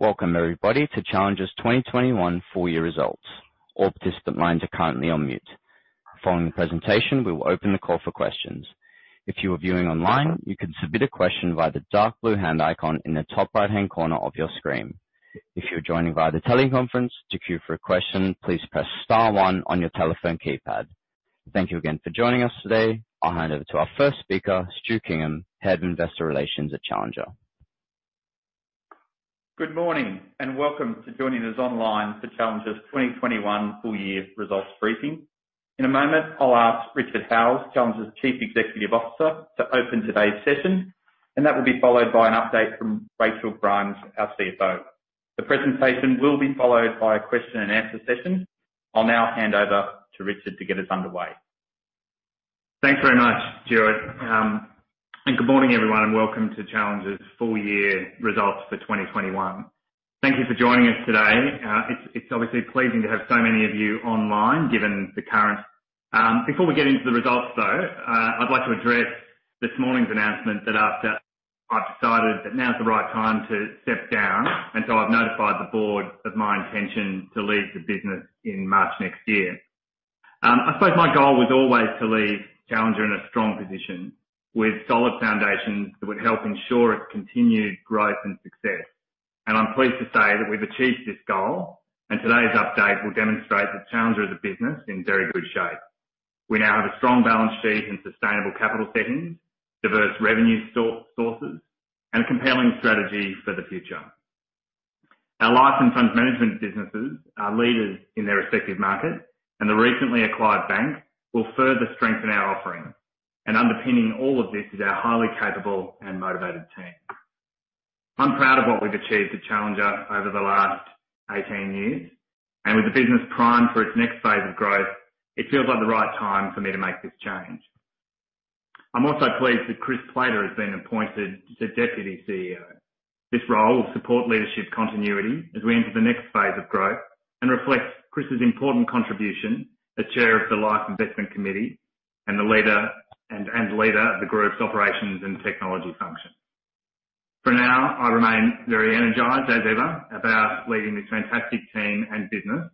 Welcome, everybody, to Challenger's 2021 full year results. All participant lines are currently on mute. Following the presentation, we will open the call for questions. If you are viewing online, you can submit a question via the dark blue hand icon in the top right-hand corner of your screen. If you are joining via the teleconference, to queue for a question, please press star one on your telephone keypad. Thank you again for joining us today. I'll hand over to our first speaker, Stuart Kingham, Head of Investor Relations at Challenger. Good morning and welcome to joining us online for Challenger's 2021 full year results briefing. In a moment, I'll ask Richard Howes, Challenger's Chief Executive Officer, to open today's session, and that will be followed by an update from Rachel Grimes, our CFO. The presentation will be followed by a question and answer session. I'll now hand over to Richard to get us underway. Thanks very much, Stuart. Good morning, everyone, and welcome to Challenger's full year results for 2021. Thank you for joining us today. It's obviously pleasing to have so many of you online given the current. Before we get into the results, though, I'd like to address this morning's announcement that I've decided that now is the right time to step down, and so I've notified the board of my intention to leave the business in March next year. I suppose my goal was always to leave Challenger in a strong position with solid foundations that would help ensure its continued growth and success. I'm pleased to say that we've achieved this goal, and today's update will demonstrate that Challenger is a business in very good shape. We now have a strong balance sheet and sustainable capital settings, diverse revenue sources, and a compelling strategy for the future. Our life and funds management businesses are leaders in their respective markets, the recently acquired bank will further strengthen our offering. Underpinning all of this is our highly capable and motivated team. I am proud of what we have achieved at Challenger over the last 18 years. With the business primed for its next phase of growth, it feels like the right time for me to make this change. I am also pleased that Chris Plater has been appointed to Deputy CEO. This role will support leadership continuity as we enter the next phase of growth and reflects Chris' important contribution as chair of the Life Investment Committee and the leader of the group's operations and technology function. For now, I remain very energized as ever about leading this fantastic team and business.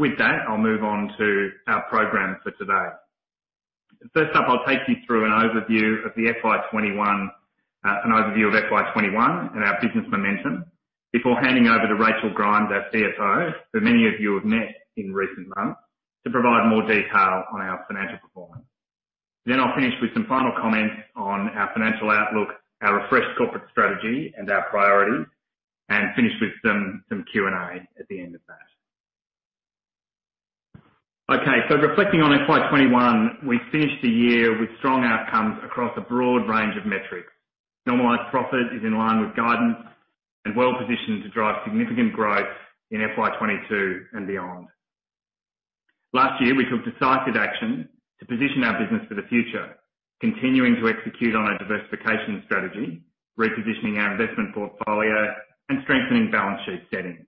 With that, I will move on to our program for today. First up, I'll take you through an overview of FY 2021 and our business momentum before handing over to Rachel Grimes, our CFO, who many of you have met in recent months, to provide more detail on our financial performance. I'll finish with some final comments on our financial outlook, our refreshed corporate strategy and our priorities, and finish with some Q&A at the end of that. Reflecting on FY 2021, we finished the year with strong outcomes across a broad range of metrics. Normalized profit is in line with guidance and well-positioned to drive significant growth in FY 2022 and beyond. Last year, we took decisive action to position our business for the future, continuing to execute on our diversification strategy, repositioning our investment portfolio and strengthening balance sheet settings.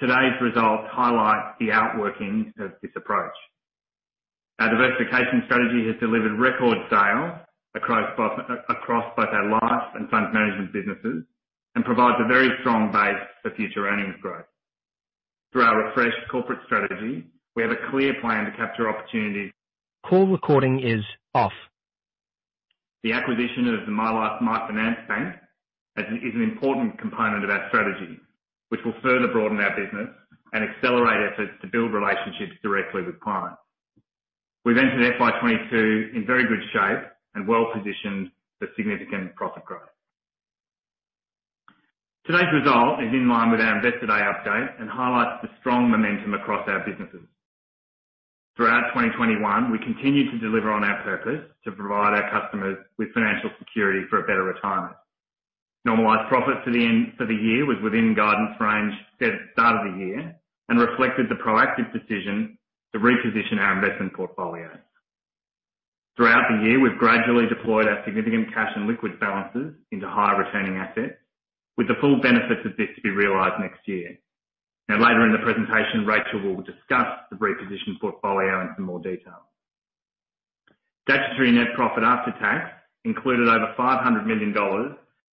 Today's results highlight the outworking of this approach. Our diversification strategy has delivered record sales across both our life and funds management businesses and provides a very strong base for future earnings growth. Through our refreshed corporate strategy, we have a clear plan to capture opportunities. Call recording is off. The acquisition of the MyLife MyFinance bank is an important component of our strategy, which will further broaden our business and accelerate efforts to build relationships directly with clients. We've entered FY 2022 in very good shape and well-positioned for significant profit growth. Today's result is in line with our investor day update and highlights the strong momentum across our businesses. Throughout 2021, we continued to deliver on our purpose to provide our customers with financial security for a better retirement. Normalized profit for the year was within guidance range set at the start of the year and reflected the proactive decision to reposition our investment portfolio. Throughout the year, we've gradually deployed our significant cash and liquid balances into higher returning assets, with the full benefits of this to be realized next year. Now, later in the presentation, Rachel will discuss the repositioned portfolio in some more detail. Statutory net profit after tax included over 500 million dollars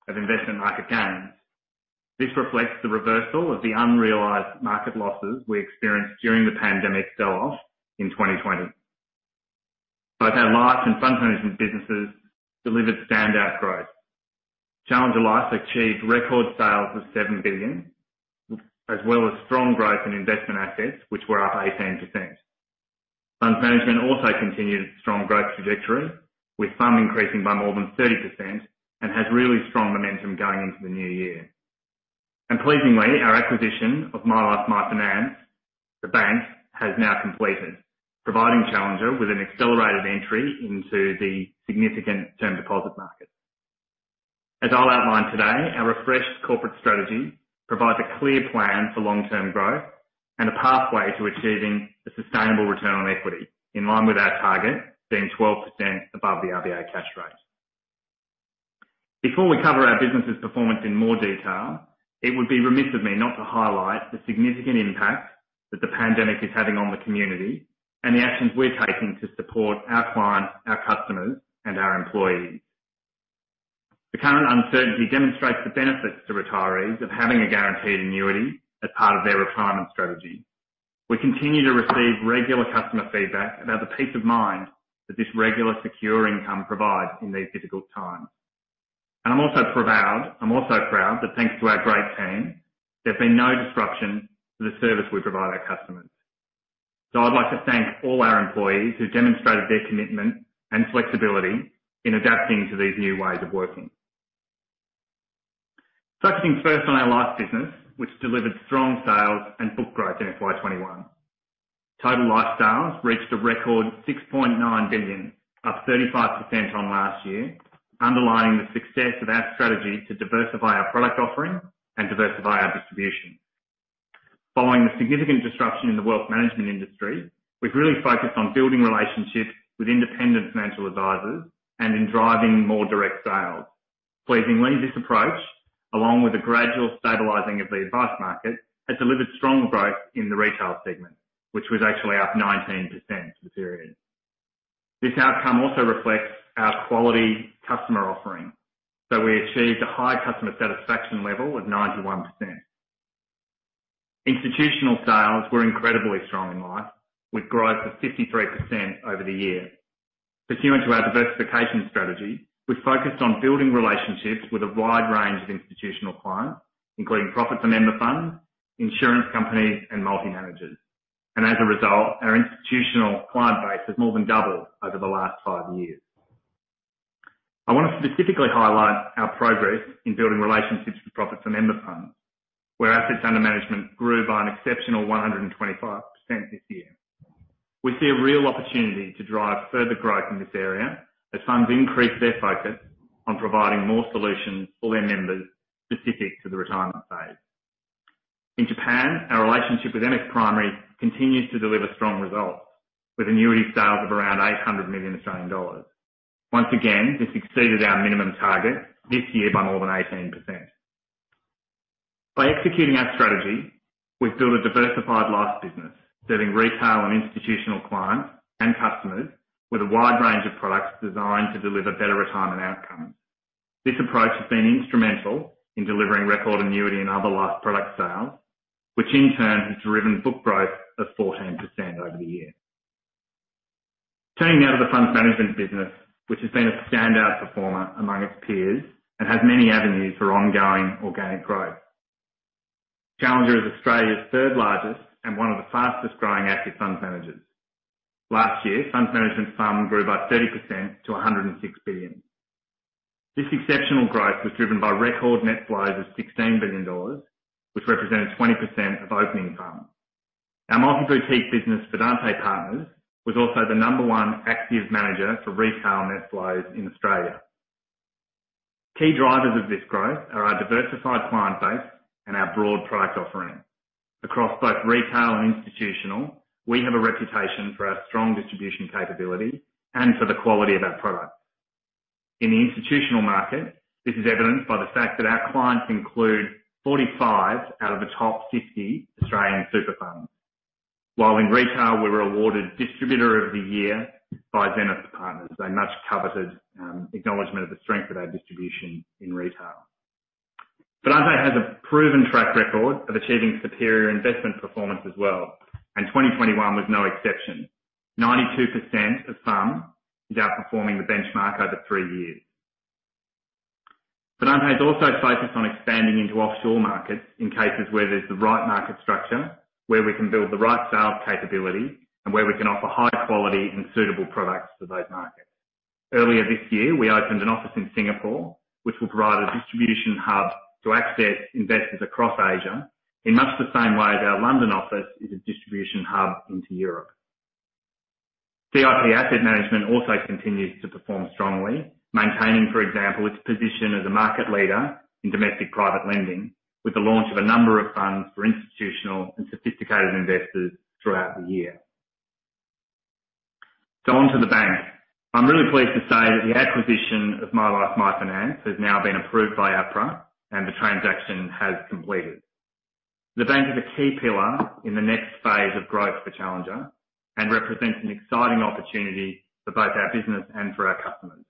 of investment market gains. This reflects the reversal of the unrealized market losses we experienced during the pandemic sell-off in 2020. Both our Life and Funds Management businesses delivered standout growth. Challenger Life achieved record sales of 7 billion, as well as strong growth in investment assets, which were up 18%. Funds Management also continued its strong growth trajectory, with some increasing by more than 30%, and has really strong momentum going into the new year. Pleasingly, our acquisition of MyLife MyFinance, the bank, has now completed, providing Challenger with an accelerated entry into the significant term deposit market. As I'll outline today, our refreshed corporate strategy provides a clear plan for long-term growth and a pathway to achieving a sustainable return on equity, in line with our target being 12% above the RBA cash rate. Before we cover our business' performance in more detail, it would be remiss of me not to highlight the significant impact that the pandemic is having on the community. The actions we're taking to support our clients, our customers, and our employees. The current uncertainty demonstrates the benefits to retirees of having a guaranteed annuity as part of their retirement strategy. We continue to receive regular customer feedback about the peace of mind that this regular secure income provides in these difficult times. I'm also proud that thanks to our great team, there's been no disruption to the service we provide our customers. I'd like to thank all our employees who demonstrated their commitment and flexibility in adapting to these new ways of working. Focusing first on our life business, which delivered strong sales and book growth in FY 2021. Total life sales reached a record 6.9 billion, up 35% on last year, underlying the success of our strategy to diversify our product offering and diversify our distribution. Following the significant disruption in the wealth management industry, we've really focused on building relationships with independent financial advisors and in driving more direct sales. Pleasingly, this approach, along with the gradual stabilizing of the advice market, has delivered strong growth in the retail segment, which was actually up 19% for the period. This outcome also reflects our quality customer offering. We achieved a high customer satisfaction level of 91%. Institutional sales were incredibly strong in life, with growth of 53% over the year. Pursuant to our diversification strategy, we focused on building relationships with a wide range of institutional clients, including profit-for-member funds, insurance companies, and multi-managers. As a result, our institutional client base has more than doubled over the last five years. I want to specifically highlight our progress in building relationships with profit-for-member funds, where assets under management grew by an exceptional 125% this year. We see a real opportunity to drive further growth in this area as funds increase their focus on providing more solutions for their members, specific to the retirement phase. In Japan, our relationship with MS Primary continues to deliver strong results, with annuity sales of around 800 million Australian dollars. Once again, this exceeded our minimum target this year by more than 18%. By executing our strategy, we've built a diversified life business serving retail and institutional clients and customers with a wide range of products designed to deliver better retirement outcomes. This approach has been instrumental in delivering record annuity and other life product sales, which in turn has driven book growth of 14% over the year. Turning now to the funds management business, which has been a standout performer among its peers and has many avenues for ongoing organic growth. Challenger is Australia's third largest and one of the fastest growing active funds managers. Last year, funds management sum grew by 30% to 106 billion. This exceptional growth was driven by record net flows of 16 billion dollars, which represents 20% of opening funds. Our multi-boutique business, Fidante Partners, was also the number one active manager for retail net flows in Australia. Key drivers of this growth are our diversified client base and our broad product offering. Across both retail and institutional, we have a reputation for our strong distribution capability and for the quality of our products. In the institutional market, this is evidenced by the fact that our clients include 45 out of the top 50 Australian super funds. While in retail, we were awarded Distributor of the Year by Zenith Investment Partners, a much-coveted acknowledgement of the strength of our distribution in retail. Fidante has a proven track record of achieving superior investment performance as well. 2021 was no exception. 92% of FUM is outperforming the benchmark over three years. Fidante is also focused on expanding into offshore markets in cases where there's the right market structure, where we can build the right sales capability, and where we can offer high quality and suitable products to those markets. Earlier this year, we opened an office in Singapore, which will provide a distribution hub to access investors across Asia in much the same way as our London office is a distribution hub into Europe. CIP Asset Management also continues to perform strongly, maintaining, for example, its position as a market leader in domestic private lending with the launch of a number of funds for institutional and sophisticated investors throughout the year. On to the bank. I'm really pleased to say that the acquisition of MyLife MyFinance has now been approved by APRA and the transaction has completed. The bank is a key pillar in the next phase of growth for Challenger and represents an exciting opportunity for both our business and for our customers.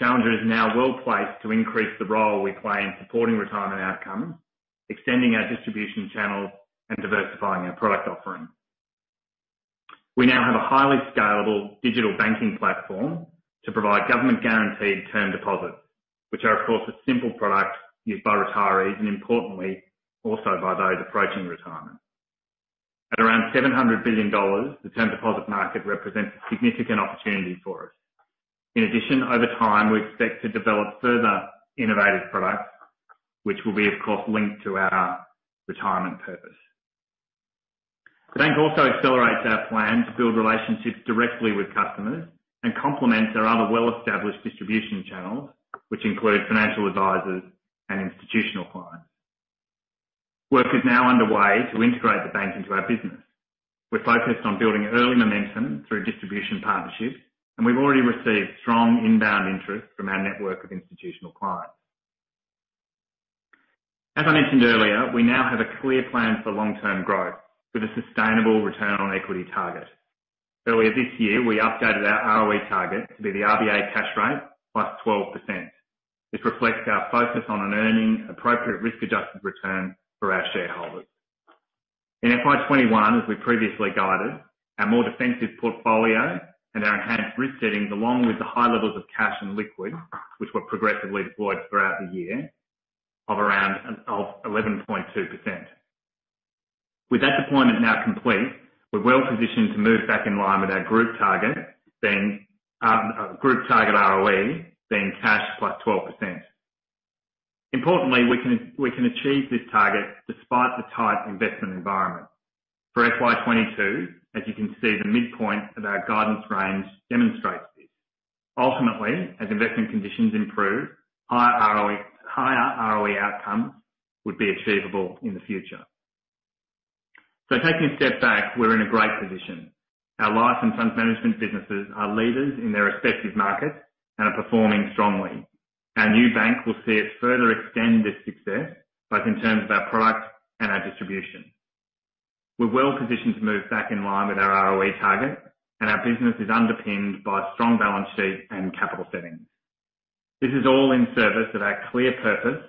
Challenger is now well-placed to increase the role we play in supporting retirement outcomes, extending our distribution channels, and diversifying our product offering. We now have a highly scalable digital banking platform to provide government-guaranteed term deposits, which are, of course, a simple product used by retirees and importantly, also by those approaching retirement. At around 700 billion dollars, the term deposit market represents a significant opportunity for us. In addition, over time, we expect to develop further innovative products, which will be, of course, linked to our retirement purpose. The bank also accelerates our plan to build relationships directly with customers and complements our other well-established distribution channels, which include financial advisors and institutional clients. Work is now underway to integrate the bank into our business. We're focused on building early momentum through distribution partnerships, and we've already received strong inbound interest from our network of institutional clients. As I mentioned earlier, we now have a clear plan for long-term growth with a sustainable return on equity target. Earlier this year, we updated our ROE target to be the RBA cash rate plus 12%. This reflects our focus on earning appropriate risk-adjusted return for our shareholders. In FY 2021, as we previously guided, our more defensive portfolio and our enhanced risk settings, along with the high levels of cash and liquid, which were progressively deployed throughout the year, of 11.2%. With that deployment now complete, we're well-positioned to move back in line with our group target ROE, being cash plus 12%. Importantly, we can achieve this target despite the tight investment environment. For FY 2022, as you can see, the midpoint of our guidance range demonstrates this. Ultimately, as investment conditions improve, higher ROE outcomes would be achievable in the future. Taking a step back, we're in a great position. Our life and funds management businesses are leaders in their respective markets and are performing strongly. Our new bank will see us further extend this success, both in terms of our products and our distribution. We're well positioned to move back in line with our ROE target, and our business is underpinned by strong balance sheet and capital settings. This is all in service of our clear purpose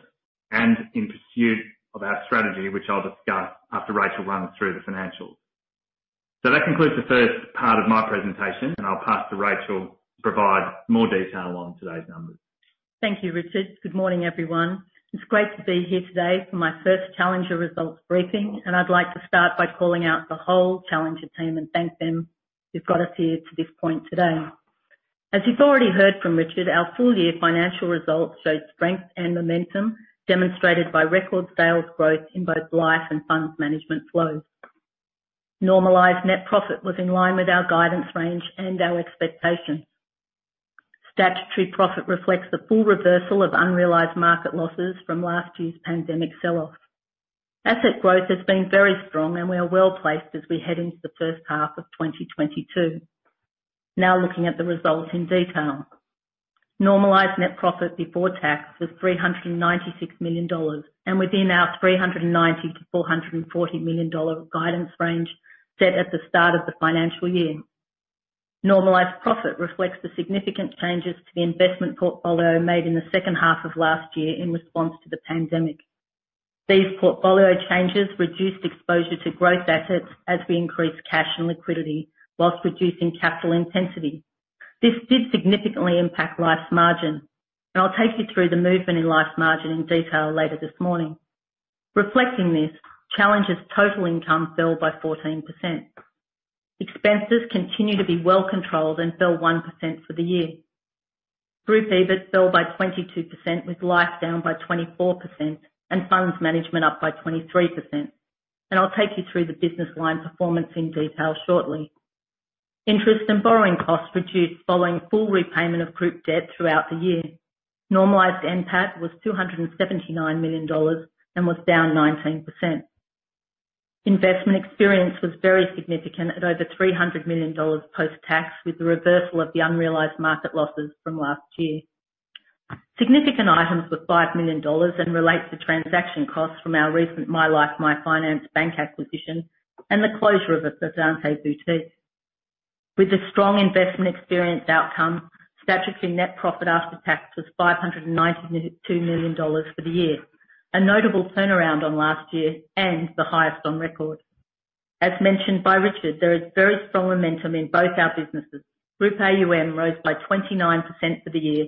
and in pursuit of our strategy, which I'll discuss after Rachel runs through the financials. That concludes the first part of my presentation, and I'll pass to Rachel to provide more detail on today's numbers. Thank you, Richard. Good morning, everyone. It's great to be here today for my first Challenger results briefing, and I'd like to start by calling out the whole Challenger team and thank them who've got us here to this point today. As you've already heard from Richard, our full-year financial results show strength and momentum demonstrated by record sales growth in both Life and funds management flows. Normalized net profit was in line with our guidance range and our expectations. Statutory profit reflects the full reversal of unrealized market losses from last year's pandemic sell-off. Asset growth has been very strong, and we are well-placed as we head into the first half of 2022. Now looking at the results in detail. Normalized net profit before tax was 396 million dollars and within our 390 million-440 million dollar guidance range set at the start of the financial year. Normalized profit reflects the significant changes to the investment portfolio made in the second half of last year in response to the pandemic. These portfolio changes reduced exposure to growth assets as we increased cash and liquidity whilst reducing capital intensity. This did significantly impact life's margin, and I'll take you through the movement in life's margin in detail later this morning. Reflecting this, Challenger's total income fell by 14%. Expenses continue to be well controlled and fell 1% for the year. Group EBIT fell by 22%, with life down by 24% and funds management up by 23%. I'll take you through the business line performance in detail shortly. Interest and borrowing costs reduced following full repayment of group debt throughout the year. Normalized NPAT was 279 million dollars and was down 19%. Investment experience was very significant at over 300 million dollars post-tax, with the reversal of the unrealized market losses from last year. Significant items were 5 million dollars and relate to transaction costs from our recent MyLife MyFinance Bank acquisition and the closure of a Fidante boutique. With a strong investment experience outcome, statutory net profit after tax was 592 million dollars for the year, a notable turnaround on last year and the highest on record. As mentioned by Richard, there is very strong momentum in both our businesses. Group AUM rose by 29% for the year.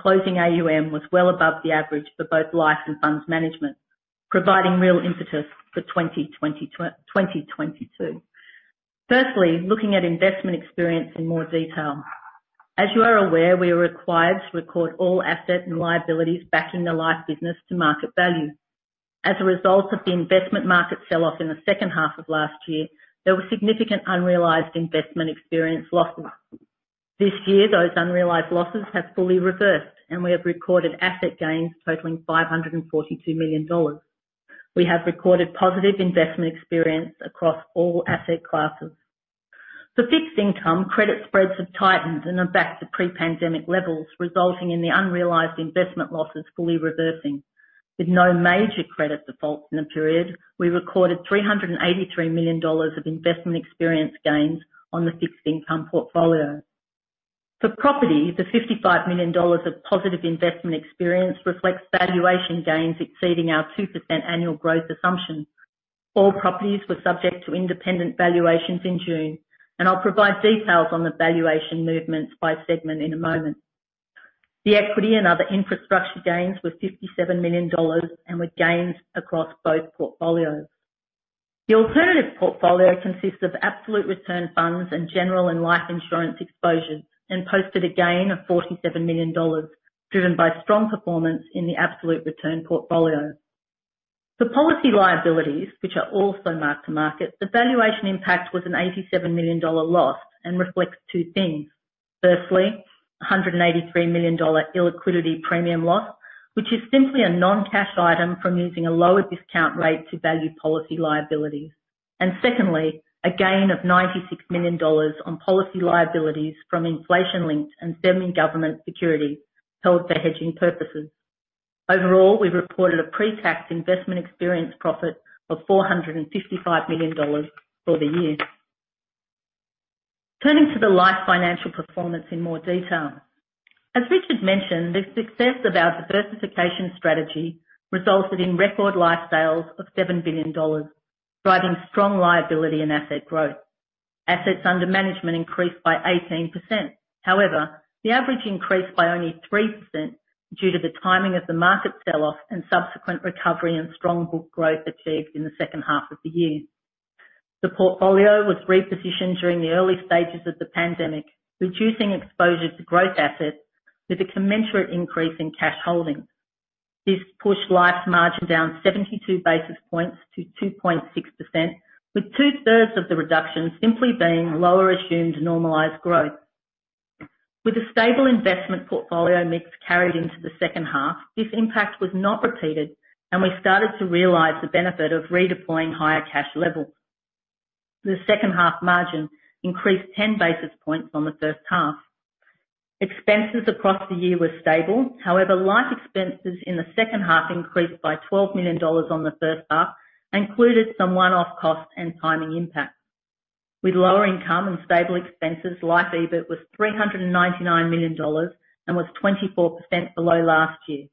Closing AUM was well above the average for both life and funds management, providing real impetus for 2022. Firstly, looking at investment experience in more detail. As you are aware, we are required to record all asset and liabilities back in the life business to market value. As a result of the investment market sell-off in the second half of last year, there were significant unrealized investment experience losses. This year, those unrealized losses have fully reversed, and we have recorded asset gains totaling 542 million dollars. We have recorded positive investment experience across all asset classes. For fixed income, credit spreads have tightened and are back to pre-pandemic levels, resulting in the unrealized investment losses fully reversing. With no major credit defaults in the period, we recorded 383 million dollars of investment experience gains on the fixed income portfolio. For property, the 55 million dollars of positive investment experience reflects valuation gains exceeding our 2% annual growth assumption. All properties were subject to independent valuations in June, I'll provide details on the valuation movements by segment in a moment. The equity and other infrastructure gains were 57 million dollars and were gains across both portfolios. The alternative portfolio consists of absolute return funds and general and life insurance exposures and posted a gain of 47 million dollars, driven by strong performance in the absolute return portfolio. For policy liabilities, which are also mark-to-market, the valuation impact was an 87 million dollar loss and reflects two things. Firstly, 183 million dollar illiquidity premium loss, which is simply a non-cash item from using a lower discount rate to value policy liabilities. Secondly, a gain of 96 million dollars on policy liabilities from inflation linked and semi-government security held for hedging purposes. Overall, we reported a pre-tax investment experience profit of 455 million dollars for the year. Turning to the life financial performance in more detail. As Richard mentioned, the success of our diversification strategy resulted in record life sales of 7 billion dollars, driving strong liability and asset growth. Assets under management increased by 18%. However, the average increased by only 3% due to the timing of the market sell-off and subsequent recovery and strong book growth achieved in the second half of the year. The portfolio was repositioned during the early stages of the pandemic, reducing exposure to growth assets with a commensurate increase in cash holdings. This pushed life margin down 72 basis points to 2.6%, with two-thirds of the reduction simply being lower assumed normalized growth. With a stable investment portfolio mix carried into the second half, this impact was not repeated, and we started to realize the benefit of redeploying higher cash levels. The second half margin increased 10 basis points from the first half. Expenses across the year were stable. However, life expenses in the second half increased by 12 million dollars on the first half and included some one-off costs and timing impacts. With lower income and stable expenses, Life EBIT was 399 million dollars and was 24% below last year.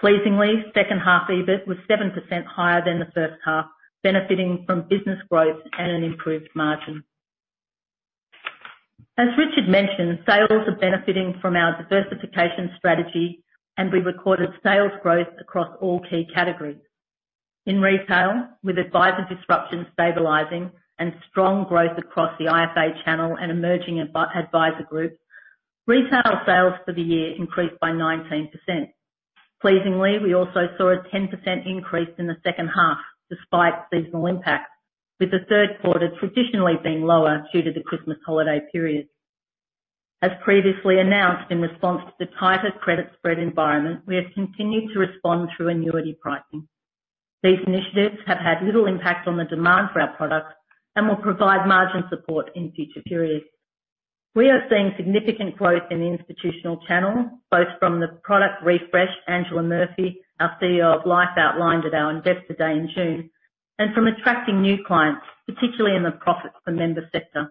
Pleasingly, second half EBIT was 7% higher than the first half, benefiting from business growth and an improved margin. As Richard mentioned, sales are benefiting from our diversification strategy. We recorded sales growth across all key categories. In retail, with advisor disruption stabilizing and strong growth across the IFA channel and emerging advisor groups, retail sales for the year increased by 19%. Pleasingly, we also saw a 10% increase in the second half despite seasonal impacts, with the third quarter traditionally being lower due to the Christmas holiday period. As previously announced, in response to the tighter credit spread environment, we have continued to respond through annuity pricing. These initiatives have had little impact on the demand for our products and will provide margin support in future periods. We are seeing significant growth in the institutional channel, both from the product refresh Angela Murphy, our CEO of Life, outlined at our Investor Day in June, and from attracting new clients, particularly in the profit-for-member sector.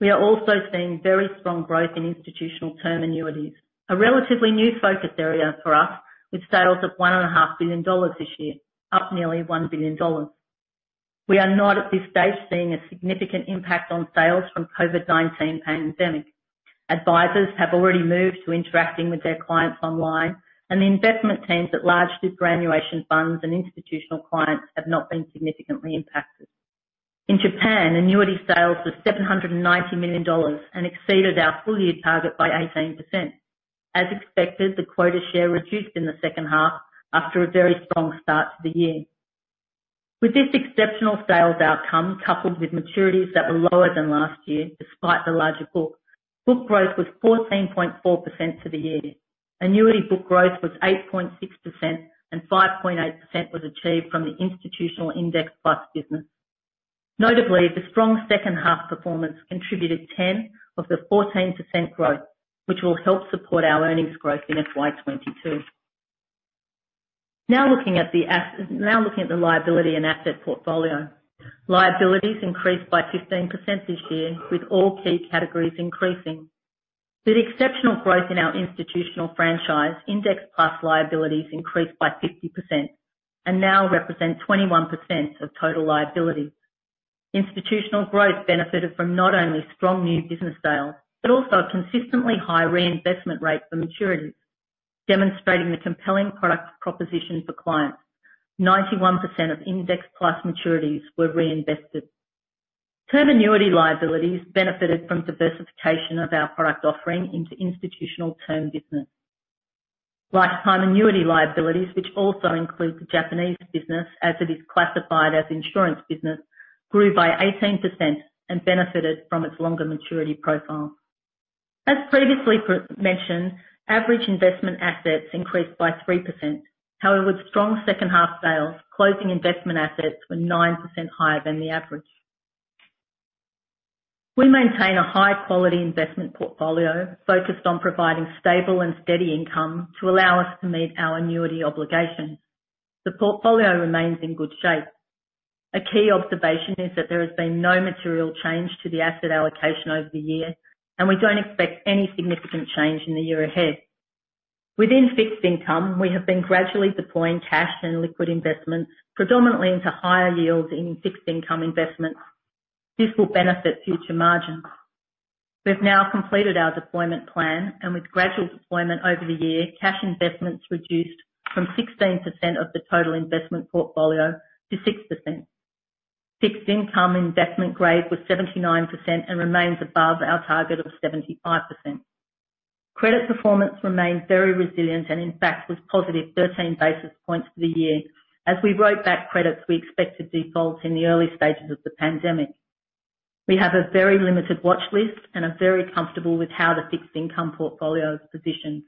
We are also seeing very strong growth in institutional term annuities, a relatively new focus area for us, with sales of 1.5 billion dollars this year, up nearly 1 billion dollars. We are not at this stage seeing a significant impact on sales from COVID-19 pandemic. Advisors have already moved to interacting with their clients online, and the investment teams at large superannuation funds and institutional clients have not been significantly impacted. In Japan, annuity sales were 790 million dollars and exceeded our full year target by 18%. As expected, the quota share reduced in the second half after a very strong start to the year. With this exceptional sales outcome, coupled with maturities that were lower than last year despite the larger book growth was 14.4% for the year. Annuity book growth was 8.6% and 5.8% was achieved from the institutional Index Plus business. Notably, the strong second half performance contributed 10 of the 14% growth, which will help support our earnings growth in FY 2022. Now looking at the liability and asset portfolio. Liabilities increased by 15% this year, with all key categories increasing. With exceptional growth in our institutional franchise, Index Plus liabilities increased by 50%. Now represent 21% of total liabilities. Institutional growth benefited from not only strong new business sales, but also a consistently high reinvestment rate for maturities, demonstrating the compelling product proposition for clients. 91% of Index Plus maturities were reinvested. Term annuity liabilities benefited from diversification of our product offering into institutional term business. Lifetime annuity liabilities, which also include the Japanese business as it is classified as insurance business, grew by 18% and benefited from its longer maturity profile. As previously mentioned, average investment assets increased by 3%. With strong second half sales, closing investment assets were 9% higher than the average. We maintain a high-quality investment portfolio focused on providing stable and steady income to allow us to meet our annuity obligations. The portfolio remains in good shape. A key observation is that there has been no material change to the asset allocation over the year, and we don't expect any significant change in the year ahead. Within fixed income, we have been gradually deploying cash and liquid investments, predominantly into higher yields in fixed income investments. This will benefit future margins. We've now completed our deployment plan, and with gradual deployment over the year, cash investments reduced from 16% of the total investment portfolio to 6%. Fixed income investment grade was 79% and remains above our target of 75%. Credit performance remained very resilient and in fact was positive 13 basis points for the year. As we wrote back credits, we expected defaults in the early stages of the pandemic. We have a very limited watch list and are very comfortable with how the fixed income portfolio is positioned.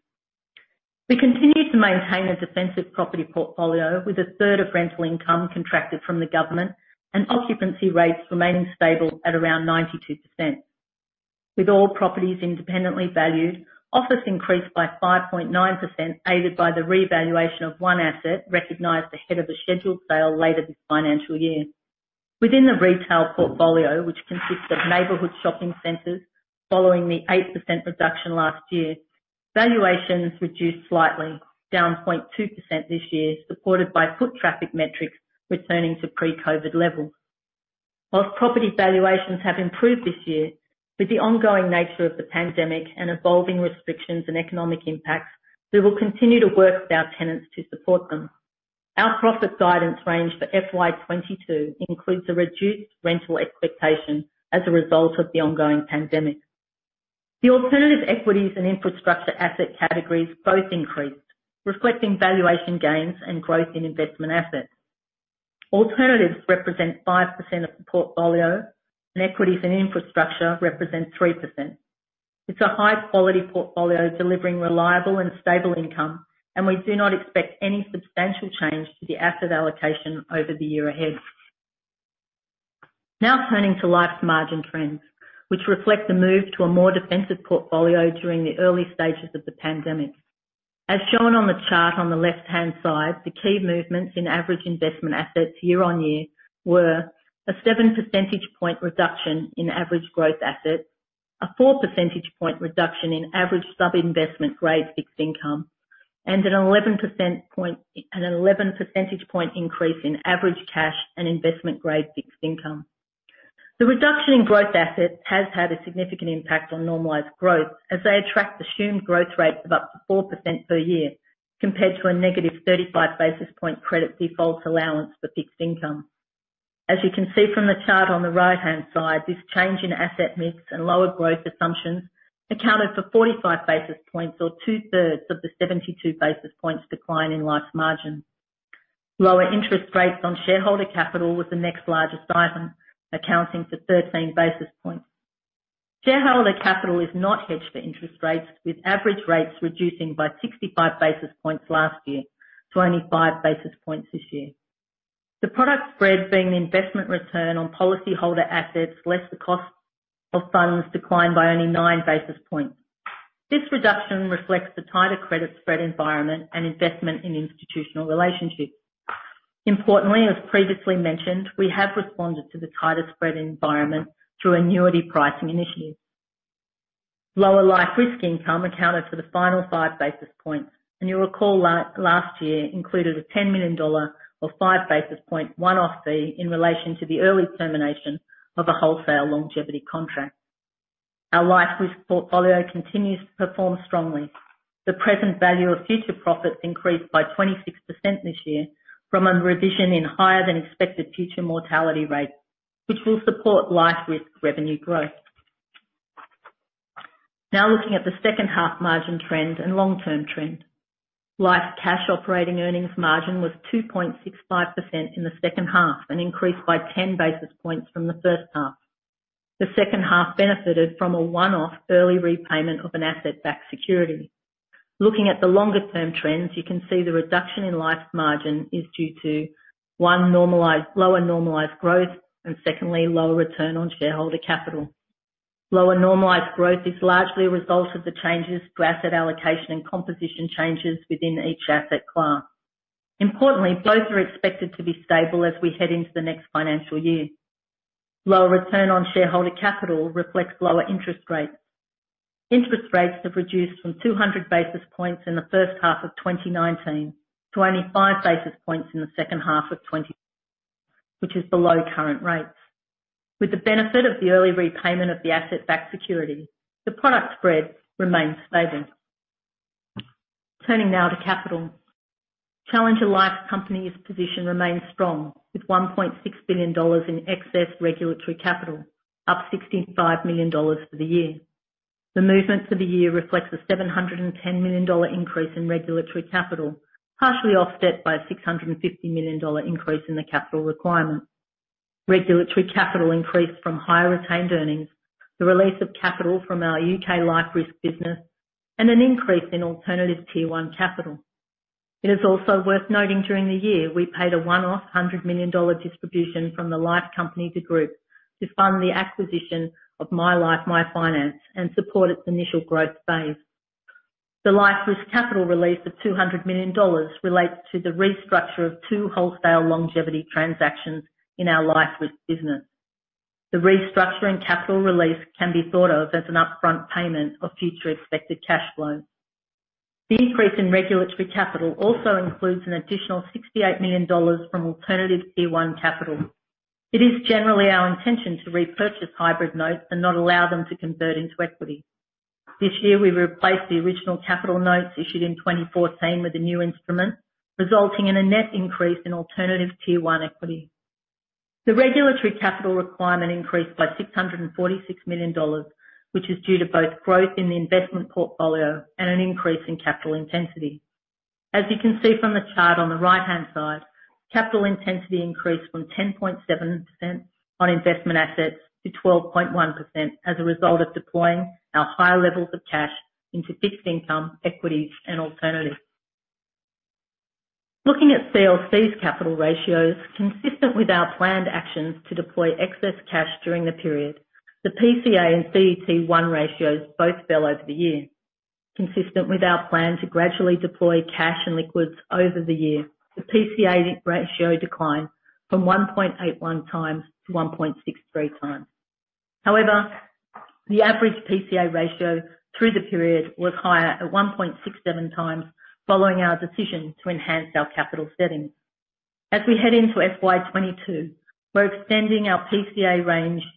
We continue to maintain a defensive property portfolio with a third of rental income contracted from the government and occupancy rates remaining stable at around 92%. With all properties independently valued, office increased by 5.9%, aided by the revaluation of one asset recognized ahead of a scheduled sale later this financial year. Within the retail portfolio, which consists of neighborhood shopping centers, following the 8% reduction last year, valuations reduced slightly, down 0.2% this year, supported by foot traffic metrics returning to pre-COVID levels. While property valuations have improved this year, with the ongoing nature of the pandemic and evolving restrictions and economic impacts, we will continue to work with our tenants to support them. Our profit guidance range for FY 2022 includes a reduced rental expectation as a result of the ongoing pandemic. The alternative equities and infrastructure asset categories both increased, reflecting valuation gains and growth in investment assets. Alternatives represent 5% of the portfolio, and equities and infrastructure represent 3%. It's a high-quality portfolio delivering reliable and stable income, and we do not expect any substantial change to the asset allocation over the year ahead. Turning to Life's margin trends, which reflect the move to a more defensive portfolio during the early stages of the Pandemic. Shown on the chart on the left-hand side, the key movements in average investment assets year-on-year were a 7 percentage point reduction in average growth assets, a 4 percentage point reduction in average sub-investment grade fixed income, and an 11 percentage point increase in average cash and investment-grade fixed income. The reduction in growth assets has had a significant impact on normalized growth as they attract assumed growth rates of up to 4% per year, compared to a negative 35 basis point credit default allowance for fixed income. You can see from the chart on the right-hand side, this change in asset mix and lower growth assumptions accounted for 45 basis points or two-thirds of the 72 basis points decline in Life's margin. Lower interest rates on shareholder capital was the next largest item, accounting for 13 basis points. Shareholder capital is not hedged for interest rates, with average rates reducing by 65 basis points last year to only 5 basis points this year. The product spread being the investment return on policyholder assets less the cost of funds declined by only 9 basis points. This reduction reflects the tighter credit spread environment and investment in institutional relationships. Importantly, as previously mentioned, we have responded to the tighter spread environment through annuity pricing initiatives. Lower life risk income accounted for the final 5 basis points, and you'll recall last year included a 10 million dollar or 5 basis point one-off fee in relation to the early termination of a wholesale longevity contract. Our life risk portfolio continues to perform strongly. The present value of future profits increased by 26% this year from a revision in higher than expected future mortality rates, which will support Life risk revenue growth. Looking at the second half margin trends and long-term trend. Life cash operating earnings margin was 2.65% in the second half and increased by 10 basis points from the first half. The second half benefited from a one-off early repayment of an asset-backed security. Looking at the longer-term trends, you can see the reduction in Life margin is due to, one, lower normalized growth, and secondly, lower return on shareholder capital. Lower normalized growth is largely a result of the changes to asset allocation and composition changes within each asset class. Importantly, both are expected to be stable as we head into the next financial year. Lower return on shareholder capital reflects lower interest rates. Interest rates have reduced from 200 basis points in the first half of 2019 to only 5 basis points in the second half of 2020, which is below current rates. With the benefit of the early repayment of the asset-backed security, the product spread remains stable. Turning now to capital. Challenger Life Company's position remains strong with 1.6 billion dollars in excess regulatory capital, up 65 million dollars for the year. The movements of the year reflect the 710 million dollar increase in regulatory capital, partially offset by a 650 million dollar increase in the capital requirement. Regulatory capital increased from higher retained earnings, the release of capital from our U.K. life risk business, and an increase in Additional Tier 1 capital. It is also worth noting during the year, we paid a one-off 100 million dollar distribution from the life company to group to fund the acquisition of MyLife MyFinance and support its initial growth phase. The life risk capital release of 200 million dollars relates to the restructure of two wholesale longevity transactions in our life risk business. The restructuring capital release can be thought of as an upfront payment of future expected cash flows. The increase in regulatory capital also includes an additional 68 million dollars from Additional Tier 1 capital. It is generally our intention to repurchase hybrid notes and not allow them to convert into equity. This year, we replaced the original Capital Notes issued in 2014 with a new instrument, resulting in a net increase in Additional Tier 1 equity. The regulatory capital requirement increased by 646 million dollars, which is due to both growth in the investment portfolio and an increase in capital intensity. As you can see from the chart on the right-hand side, capital intensity increased from 10.7% on investment assets to 12.1% as a result of deploying our high levels of cash into fixed income, equities, and alternatives. Looking at CLC's capital ratios, consistent with our planned actions to deploy excess cash during the period, the PCA and CET1 ratios both fell over the year. Consistent with our plan to gradually deploy cash and liquids over the year, the PCA ratio declined from 1.81x to 1.63x. However, the average PCA ratio through the period was higher at 1.67x following our decision to enhance our capital settings. As we head into FY 2022, we're extending our PCA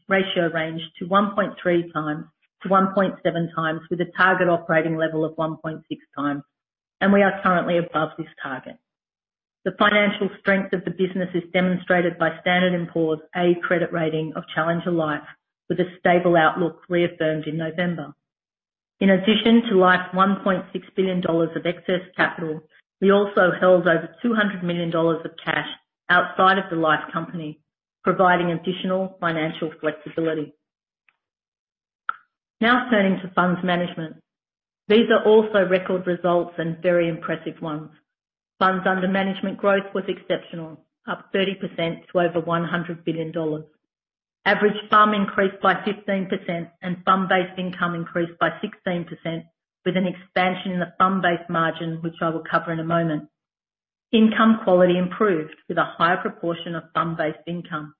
ratio range to 1.3x to 1.7x with a target operating level of 1.6x, and we are currently above this target. The financial strength of the business is demonstrated by Standard & Poor's A credit rating of Challenger Life with a stable outlook reaffirmed in November. In addition to Life 1.6 billion dollars of excess capital, we also held over 200 million dollars of cash outside of the life company, providing additional financial flexibility. Now turning to funds management. These are also record results and very impressive ones. Funds under management growth was exceptional, up 30% to over 100 billion dollars. Average FUM increased by 15% and FUM-based income increased by 16% with an expansion in the FUM-based margin, which I will cover in a moment. Income quality improved with a higher proportion of FUM-based income.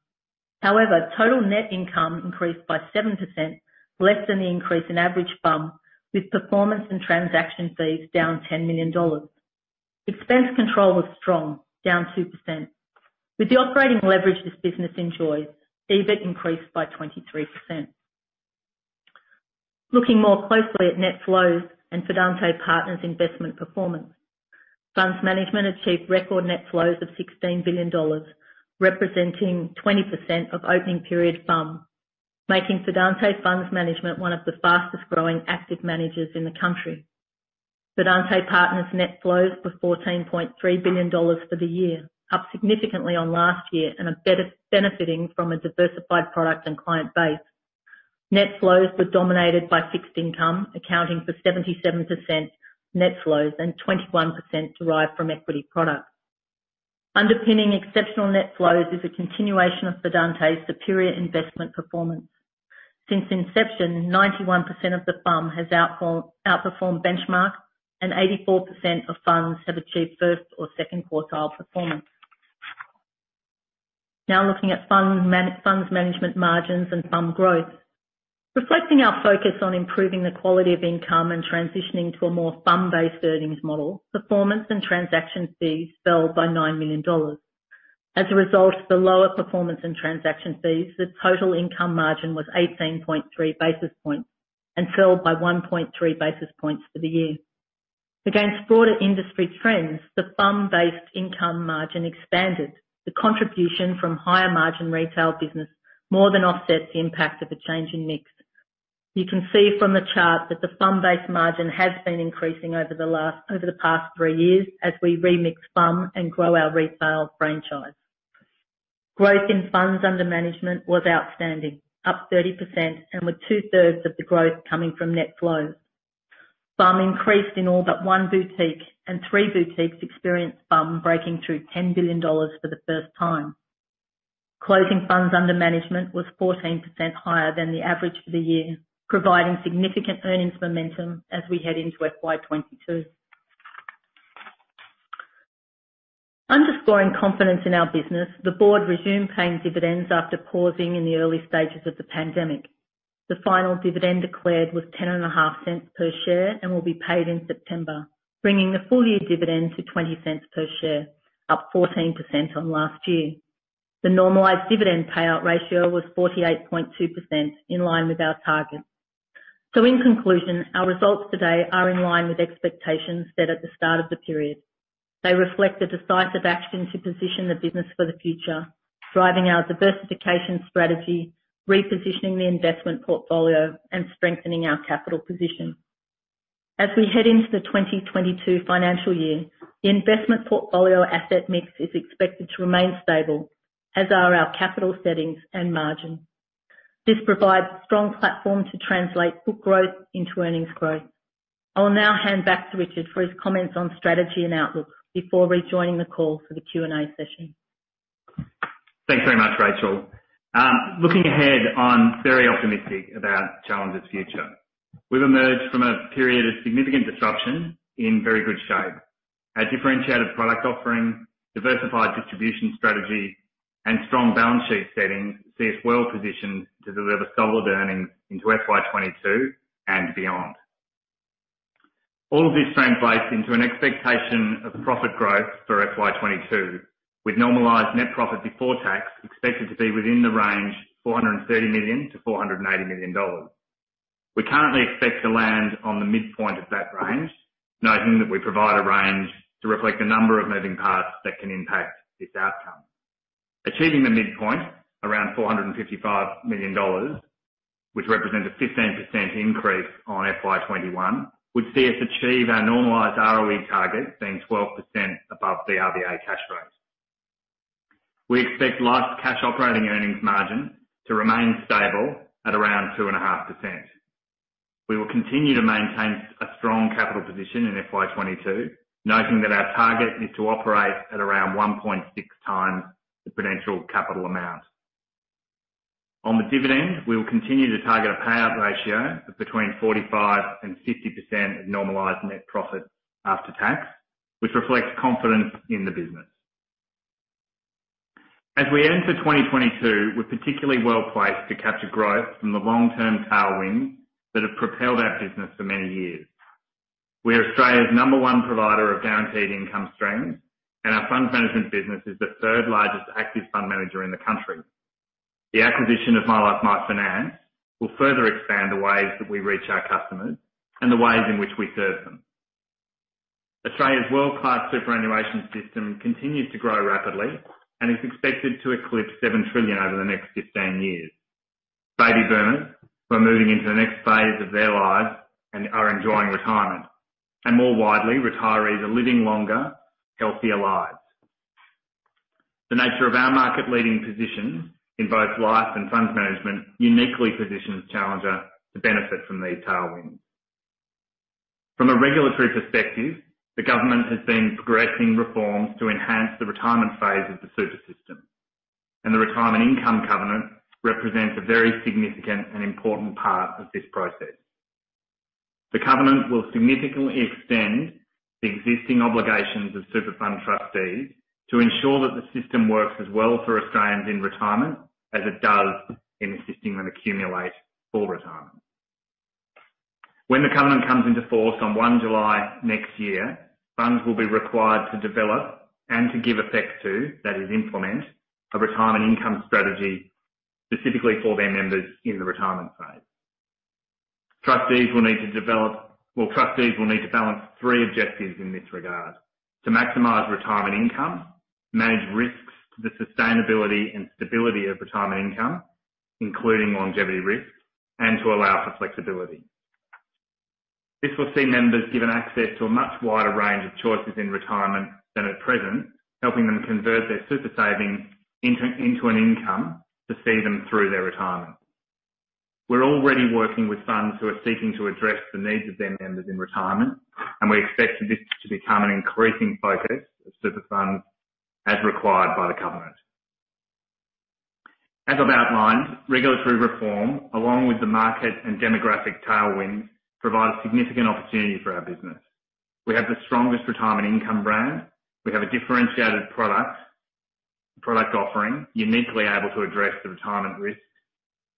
However, total net income increased by 7%, less than the increase in average FUM with performance and transaction fees down 10 million dollars. Expense control was strong, down 2%. With the operating leverage this business enjoys, EBIT increased by 23%. Looking more closely at net flows and Fidante Partners' investment performance. Funds Management achieved record net flows of 16 billion dollars, representing 20% of opening period FUM, making Fidante Funds Management one of the fastest-growing active managers in the country. Fidante Partners' net flows were 14.3 billion dollars for the year, up significantly on last year and are benefiting from a diversified product and client base. Net flows were dominated by fixed income, accounting for 77% net flows and 21% derived from equity products. Underpinning exceptional net flows is a continuation of Fidante's superior investment performance. Since inception, 91% of the FUM has outperformed benchmark and 84% of funds have achieved first or second quartile performance. Looking at funds management margins and FUM growth. Reflecting our focus on improving the quality of income and transitioning to a more FUM-based earnings model, performance and transaction fees fell by 9 million dollars. As a result of the lower performance and transaction fees, the total income margin was 18.3 basis points and fell by 1.3 basis points for the year. Against broader industry trends, the FUM-based income margin expanded. The contribution from higher margin retail business more than offsets the impact of the change in mix. You can see from the chart that the FUM-based margin has been increasing over the past three years as we remix FUM and grow our retail franchise. Growth in funds under management was outstanding, up 30% and with two-thirds of the growth coming from net flows. FUM increased in all but one boutique and three boutiques experienced FUM breaking through 10 billion dollars for the first time. Closing funds under management was 14% higher than the average for the year, providing significant earnings momentum as we head into FY 2022. Underscoring confidence in our business, the board resumed paying dividends after pausing in the early stages of the pandemic. The final dividend declared was 0.105 per share and will be paid in September, bringing the full-year dividend to 0.20 per share, up 14% on last year. The normalized dividend payout ratio was 48.2%, in line with our target. In conclusion, our results today are in line with expectations set at the start of the period. They reflect the decisive action to position the business for the future, driving our diversification strategy, repositioning the investment portfolio, and strengthening our capital position. As we head into the 2022 financial year, the investment portfolio asset mix is expected to remain stable, as are our capital settings and margin. This provides a strong platform to translate book growth into earnings growth. I will now hand back to Richard for his comments on strategy and outlook before rejoining the call for the Q&A session. Thanks very much, Rachel. Looking ahead, I'm very optimistic about Challenger's future. We've emerged from a period of significant disruption in very good shape. Our differentiated product offering, diversified distribution strategy, and strong balance sheet setting see us well-positioned to deliver solid earnings into FY 2022 and beyond. All of this translates into an expectation of profit growth for FY 2022, with normalized net profit before tax expected to be within the range of 430 million-480 million dollars. We currently expect to land on the midpoint of that range, noting that we provide a range to reflect the number of moving parts that can impact this outcome. Achieving the midpoint around 455 million dollars, which represents a 15% increase on FY21, would see us achieve our normalized ROE target, being 12% above the RBA cash rate. We expect Life's cash operating earnings margin to remain stable at around 2.5%. We will continue to maintain a strong capital position in FY 2022, noting that our target is to operate at around 1.6x the prudential capital amount. On the dividend, we will continue to target a payout ratio of between 45% and 50% of normalized net profit after tax, which reflects confidence in the business. As we enter 2022, we are particularly well-placed to capture growth from the long-term tailwinds that have propelled our business for many years. We are Australia's number one provider of guaranteed income streams, and our funds management business is the third largest active fund manager in the country. The acquisition of MyLife MyFinance will further expand the ways that we reach our customers and the ways in which we serve them. Australia's world-class superannuation system continues to grow rapidly and is expected to eclipse 7 trillion over the next 15 years. Baby boomers who are moving into the next phase of their lives and are enjoying retirement, and more widely, retirees are living longer, healthier lives. The nature of our market-leading position in both Life and Funds Management uniquely positions Challenger to benefit from these tailwinds. From a regulatory perspective, the government has been progressing reforms to enhance the retirement phase of the super system, and the retirement income covenant represents a very significant and important part of this process. The covenant will significantly extend the existing obligations of super fund trustees to ensure that the system works as well for Australians in retirement as it does in assisting them accumulate for retirement. When the covenant comes into force on 1 July next year, funds will be required to develop and to give effect to, that is implement, a retirement income strategy specifically for their members in the retirement phase. Trustees will need to balance three objectives in this regard: to maximize retirement income, manage risks to the sustainability and stability of retirement income, including longevity risks, and to allow for flexibility. This will see members given access to a much wider range of choices in retirement than at present, helping them convert their super savings into an income to see them through their retirement. We are already working with funds who are seeking to address the needs of their members in retirement, and we expect this to become an increasing focus of super funds as required by the government. As I have outlined, regulatory reform, along with the market and demographic tailwinds, provide a significant opportunity for our business. We have the strongest retirement income brand. We have a differentiated product offering, uniquely able to address the retirement risk.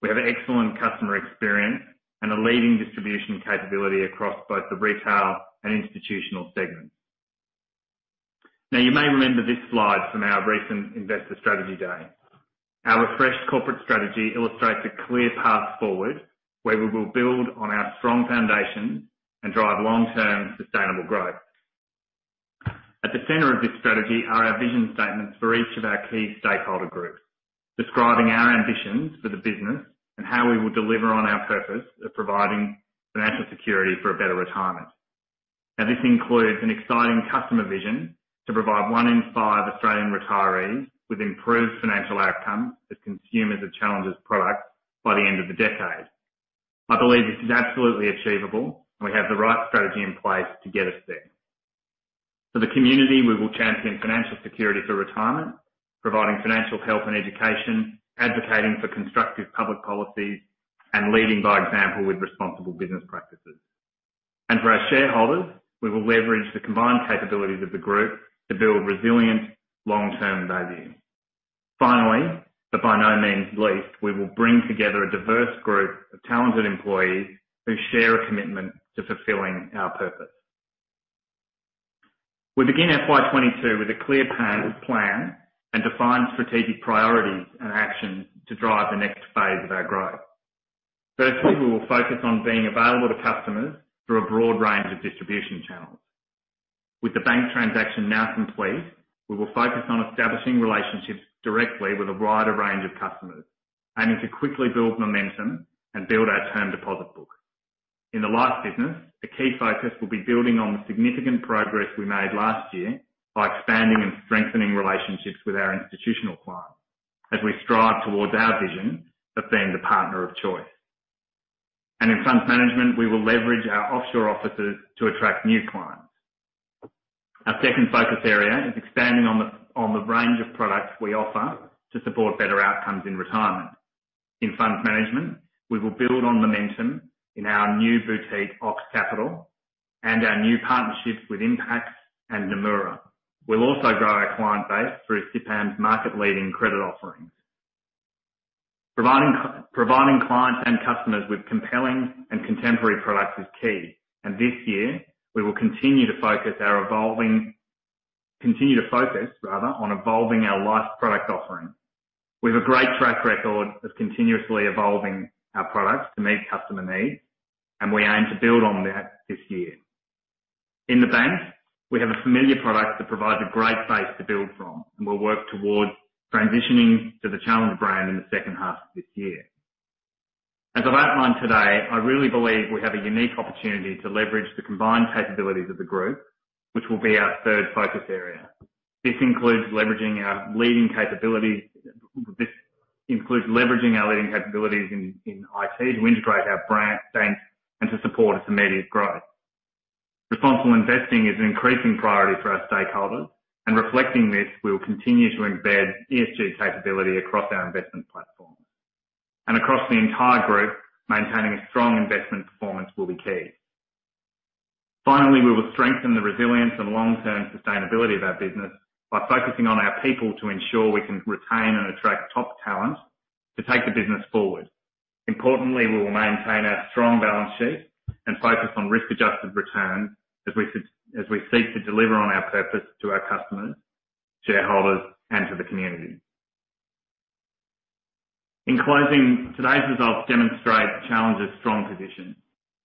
We have an excellent customer experience and a leading distribution capability across both the retail and institutional segments. Now, you may remember this slide from our recent Investor Strategy Day. Our refreshed corporate strategy illustrates a clear path forward where we will build on our strong foundation and drive long-term sustainable growth. At the center of this strategy are our vision statements for each of our key stakeholder groups, describing our ambitions for the business and how we will deliver on our purpose of providing financial security for a better retirement. Now, this includes an exciting customer vision to provide one in five Australian retirees with improved financial outcomes as consumers of Challenger's products by the end of the decade. I believe this is absolutely achievable, and we have the right strategy in place to get us there. For the community, we will champion financial security for retirement, providing financial health and education, advocating for constructive public policies, and leading by example with responsible business practices. For our shareholders, we will leverage the combined capabilities of the group to build resilient long-term value. Finally, by no means least, we will bring together a diverse group of talented employees who share a commitment to fulfilling our purpose. We begin FY22 with a clear path of plan and defined strategic priorities and actions to drive the next phase of our growth. We will focus on being available to customers through a broad range of distribution channels. With the bank transaction now complete, we will focus on establishing relationships directly with a wider range of customers, aiming to quickly build momentum and build our term deposit book. In the Life business, the key focus will be building on the significant progress we made last year by expanding and strengthening relationships with our institutional clients as we strive towards our vision of being the partner of choice. In Funds Management, we will leverage our offshore offices to attract new clients. Our second focus area is expanding on the range of products we offer to support better outcomes in retirement. In Funds Management, we will build on momentum in our new boutique Ox Capital and our new partnerships with Impact and Nomura. We'll also grow our client base through CIPAM's market-leading credit offerings. Providing clients and customers with compelling and contemporary products is key, this year we will continue to focus on evolving our life product offering. We have a great track record of continuously evolving our products to meet customer needs, and we aim to build on that this year. In the bank, we have a familiar product that provides a great base to build from, and we'll work towards transitioning to the Challenger brand in the second half of this year. As I've outlined today, I really believe we have a unique opportunity to leverage the combined capabilities of the group, which will be our third focus area. This includes leveraging our leading capabilities in IT to integrate our brand, bank, and to support its immediate growth. Responsible investing is an increasing priority for our stakeholders. Reflecting this, we will continue to embed ESG capability across our investment platforms. Across the entire group, maintaining a strong investment performance will be key. Finally, we will strengthen the resilience and long-term sustainability of our business by focusing on our people to ensure we can retain and attract top talent to take the business forward. Importantly, we will maintain our strong balance sheet and focus on risk-adjusted return as we seek to deliver on our purpose to our customers, shareholders, and to the community. In closing, today's results demonstrate Challenger's strong position,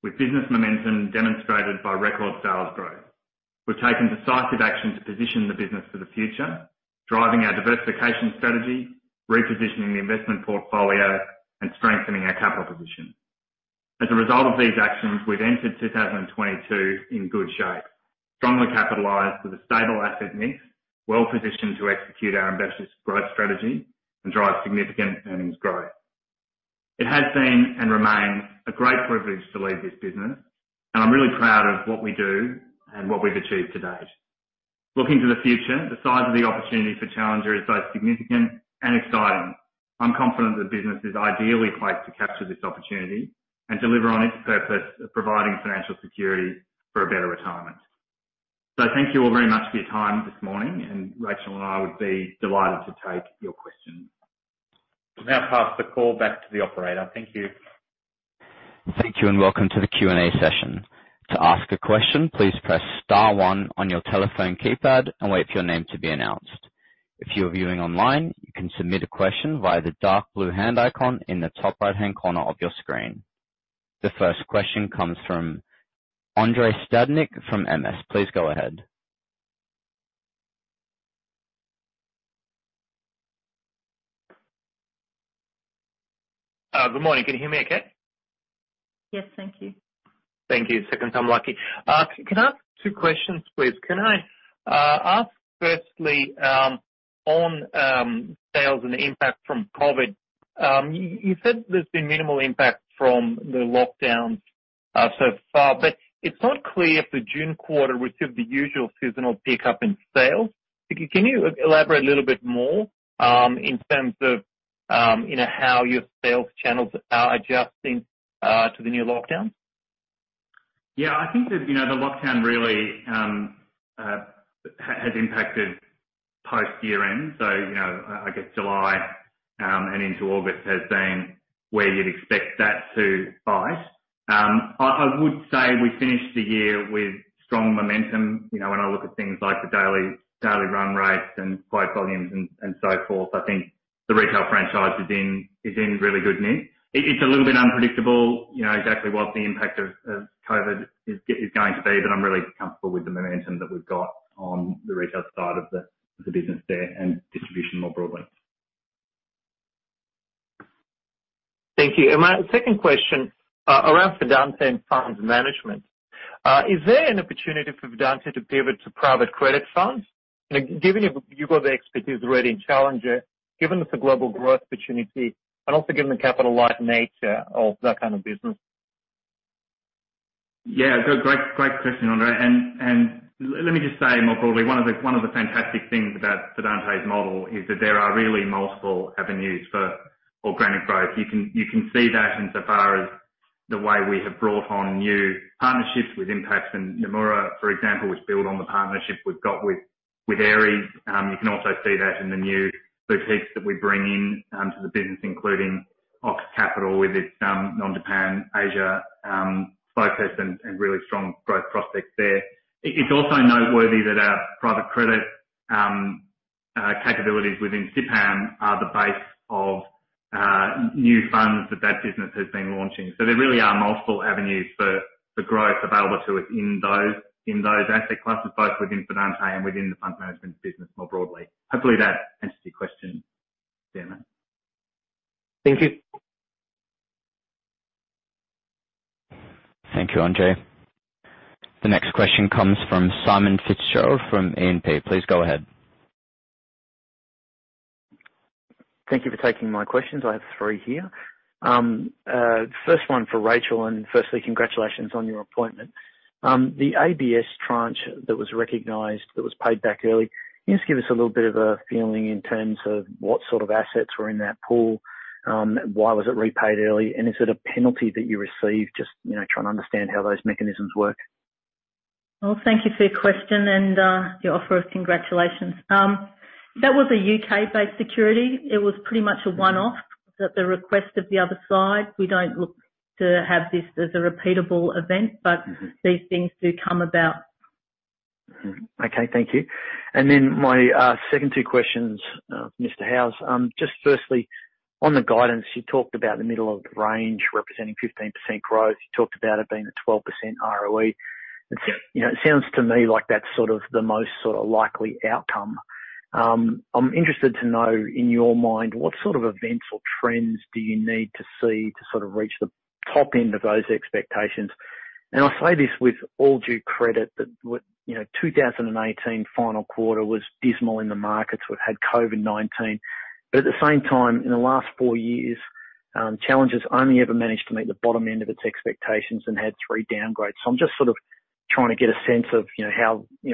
with business momentum demonstrated by record sales growth. We've taken decisive action to position the business for the future, driving our diversification strategy, repositioning the investment portfolio, and strengthening our capital position. As a result of these actions, we've entered 2022 in good shape, strongly capitalized with a stable asset mix, well-positioned to execute our ambitious growth strategy and drive significant earnings growth. It has been, and remains, a great privilege to lead this business, and I'm really proud of what we do and what we've achieved to date. Looking to the future, the size of the opportunity for Challenger is both significant and exciting. I'm confident the business is ideally placed to capture this opportunity and deliver on its purpose of providing financial security for a better retirement. Thank you all very much for your time this morning, and Rachel and I would be delighted to take your questions. I'll now pass the call back to the operator. Thank you. Thank you, and welcome to the Q&A session. To ask a question, please press star one on your telephone keypad and wait for your name to be announced. If you are viewing online, you can submit a question via the dark blue hand icon in the top right-hand corner of your screen. The first question comes from Andrei Stadnik from MS. Please go ahead. Good morning. Can you hear me okay? Yes, thank you. Thank you. Second time lucky. Can I ask two questions, please? Can I ask firstly, on sales and the impact from COVID. You said there's been minimal impact from the lockdowns so far, but it's not clear if the June quarter received the usual seasonal pickup in sales. Can you elaborate a little bit more, in terms of how your sales channels are adjusting to the new lockdown? Yeah. I think that the lockdown really has impacted post year-end. I guess July, and into August has been where you'd expect that to bite. I would say we finished the year with strong momentum. When I look at things like the daily run rates and quote volumes and so forth, I think the retail franchise is in really good nick. It's a little bit unpredictable exactly what the impact of COVID-19 is going to be, but I'm really comfortable with the momentum that we've got on the retail side of the business there and distribution more broadly. Thank you. My second question, around Fidante and funds management. Is there an opportunity for Fidante to pivot to private credit funds? Given you've got the expertise already in Challenger, given it's a global growth opportunity, and also given the capital light nature of that kind of business. Yeah. Great question, Andrei. Let me just say more broadly, one of the fantastic things about Fidante's model is that there are really multiple avenues for organic growth. You can see that in so far as the way we have brought on new partnerships with Impact and Nomura, for example, which build on the partnership we've got with Ares. You can also see that in the new boutiques that we bring in to the business, including Ox Capital, with its non-Japan Asia focus and really strong growth prospects there. It's also noteworthy that our private credit capabilities within CIPAM are the base of new funds that business has been launching. There really are multiple avenues for growth available to us in those asset classes, both within Fidante and within the funds management business more broadly. Hopefully that answers your question, Andrei. Thank you. Thank you, Andrei. The next question comes from Simon Fitzgerald from E&P. Please go ahead. Thank you for taking my questions. I have three here. First one for Rachel, firstly, congratulations on your appointment. The ABS tranche that was recognized, that was paid back early. Can you just give us a little bit of a feeling in terms of what sort of assets were in that pool? Why was it repaid early? Is it a penalty that you received? Just trying to understand how those mechanisms work. Well, thank you for your question and your offer of congratulations. That was a U.K.-based security. It was pretty much a one-off at the request of the other side. We don't look to have this as a repeatable event, but these things do come about. Okay, thank you. My second two questions, Mr. Howes. Firstly, on the guidance, you talked about the middle of the range representing 15% growth. You talked about it being a 12% ROE. It sounds to me like that's the most likely outcome. I'm interested to know, in your mind, what sort of events or trends do you need to see to reach the top end of those expectations? I say this with all due credit, that 2018 final quarter was dismal in the markets. We've had COVID-19. At the same time, in the last four years, Challenger's only ever managed to meet the bottom end of its expectations and had three downgrades. I'm trying to get a sense of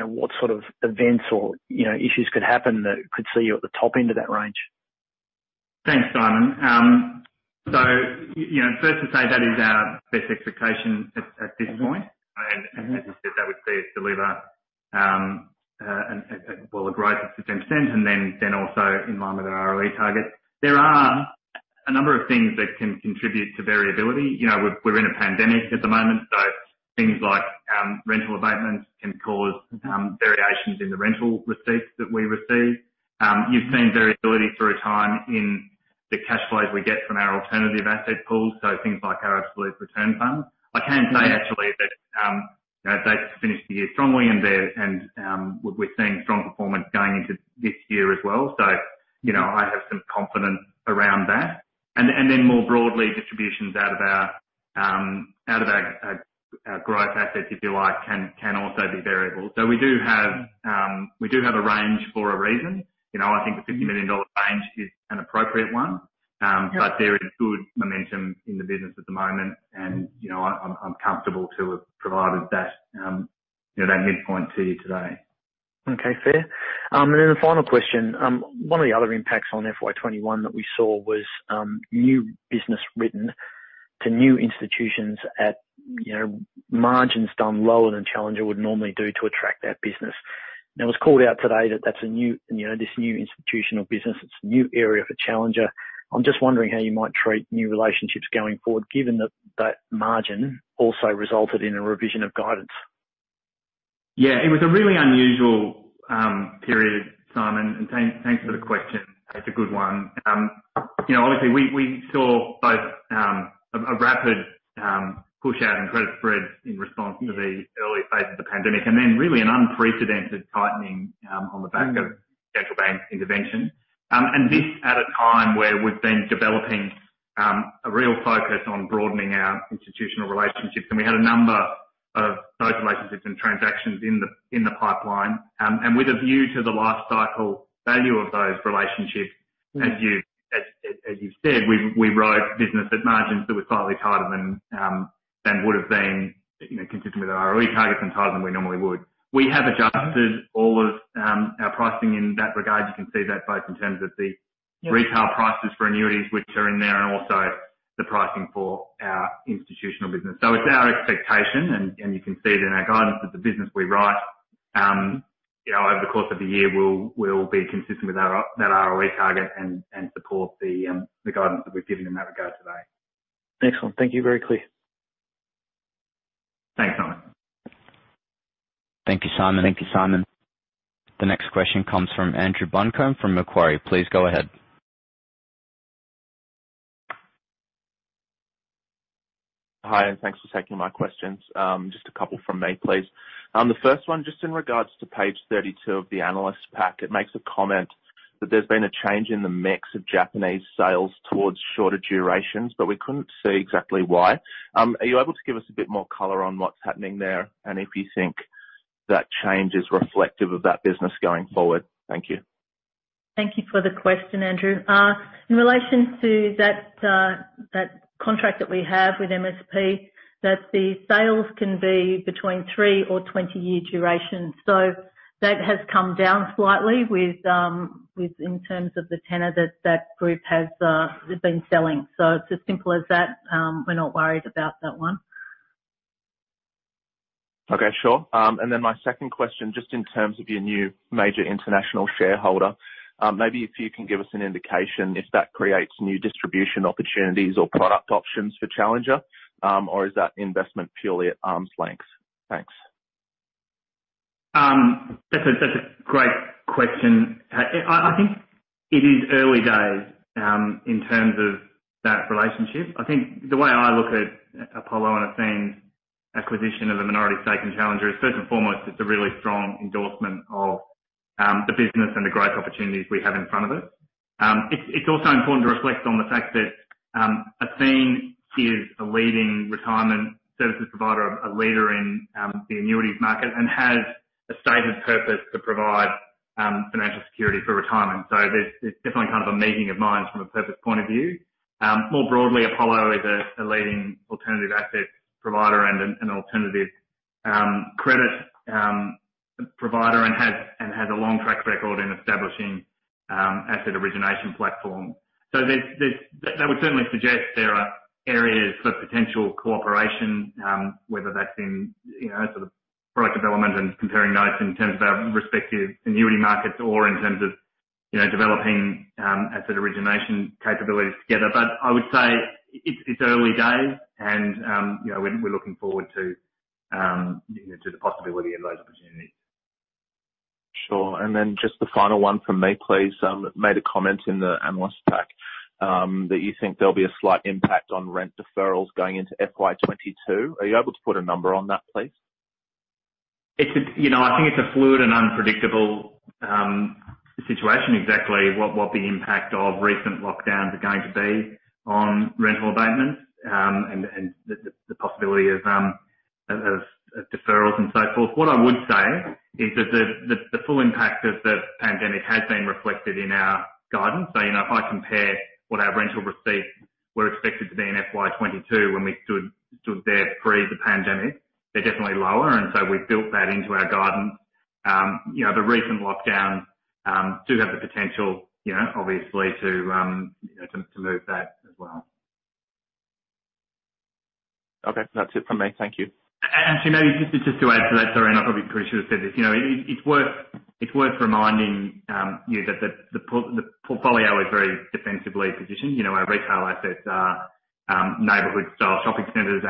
what sort of events or issues could happen that could see you at the top end of that range. Thanks, Simon. First to say that is our best expectation at this point. As you said, that would see us deliver, well, a growth of 15%, and then also in line with our ROE target. There are a number of things that can contribute to variability. We're in a pandemic at the moment, so things like rental abatements can cause variations in the rental receipts that we receive. You've seen variability through time in the cash flows we get from our alternative asset pools, so things like our absolute return fund. I can say actually that they finished the year strongly and we're seeing strong performance going into this year as well. I have some confidence around that. More broadly, distributions out of our growth assets, if you like, can also be variable. We do have a range for a reason. I think the 50 million dollar range is an appropriate one. Yeah. There is good momentum in the business at the moment, and I'm comfortable to have provided that midpoint to you today. Okay, fair. The final question. One of the other impacts on FY 2021 that we saw was new business written to new institutions at margins done lower than Challenger would normally do to attract that business. Now, it was called out today that this new institutional business, it's a new area for Challenger. I'm just wondering how you might treat new relationships going forward, given that that margin also resulted in a revision of guidance. Yeah, it was a really unusual period, Simon. Thanks for the question. It's a good one. Obviously, we saw both a rapid push out in credit spreads in response to the early phase of the pandemic, and then really an unprecedented tightening on the back of central bank intervention. This at a time where we've been developing a real focus on broadening our institutional relationships. We had a number of those relationships and transactions in the pipeline. With a view to the life cycle value of those relationships, as you've said, we wrote business at margins that were slightly tighter than would've been consistent with our ROE targets and tighter than we normally would. We have adjusted all of our pricing in that regard. You can see that both in terms of the retail prices for annuities, which are in there, and also the pricing for our institutional business. It's our expectation, and you can see it in our guidance, that the business we write over the course of the year will be consistent with that ROE target and support the guidance that we've given the market today. Excellent. Thank you. Very clear. Thanks, Simon. Thank you, Simon. The next question comes from Andrew Buncombe from Macquarie. Please go ahead. Hi, thanks for taking my questions. Just a couple from me, please. The first one, just in regards to page 32 of the analyst pack. It makes a comment that there's been a change in the mix of Japanese sales towards shorter durations, but we couldn't see exactly why. Are you able to give us a bit more color on what's happening there, and if you think that change is reflective of that business going forward? Thank you. Thank you for the question, Andrew. In relation to that contract that we have with MSP, that the sales can be between three or 20-year duration. That has come down slightly in terms of the tenor that group has been selling. It's as simple as that. We're not worried about that one. Okay, sure. My second question, just in terms of your new major international shareholder. Maybe if you can give us an indication if that creates new distribution opportunities or product options for Challenger, or is that investment purely at arm's length? Thanks. That's a great question. I think it is early days in terms of that relationship. I think the way I look at Apollo and Athene's acquisition of a minority stake in Challenger is first and foremost, it's a really strong endorsement of the business and the growth opportunities we have in front of us. It's also important to reflect on the fact that Athene is a leading retirement services provider, a leader in the annuities market, and has a stated purpose to provide financial security for retirement. There's definitely kind of a meeting of minds from a purpose point of view. More broadly, Apollo is a leading alternative asset provider and an alternative credit provider, and has a long track record in establishing asset origination platform. That would certainly suggest there are areas for potential cooperation, whether that's in sort of product development and comparing notes in terms of our respective annuity markets or in terms of developing asset origination capabilities together. I would say it's early days and we're looking forward to the possibility of those opportunities. Sure. Just the final one from me, please. You made a comment in the analyst pack, that you think there'll be a slight impact on rent deferrals going into FY 2022. Are you able to put a number on that, please? I think it's a fluid and unpredictable situation, exactly what the impact of recent lockdowns are going to be on rental abatements, and the possibility of deferrals and so forth. What I would say is that the full impact of the pandemic has been reflected in our guidance. If I compare what our rental receipts were expected to be in FY 2022 when we stood there pre the pandemic, they're definitely lower, and so we've built that into our guidance. The recent lockdowns do have the potential, obviously, to move that as well. That's it from me. Thank you. Tim, just to add to that. Sorry, I probably could have, should have said this. It's worth reminding you that the portfolio is very defensively positioned. Our retail assets are neighborhood style shopping centers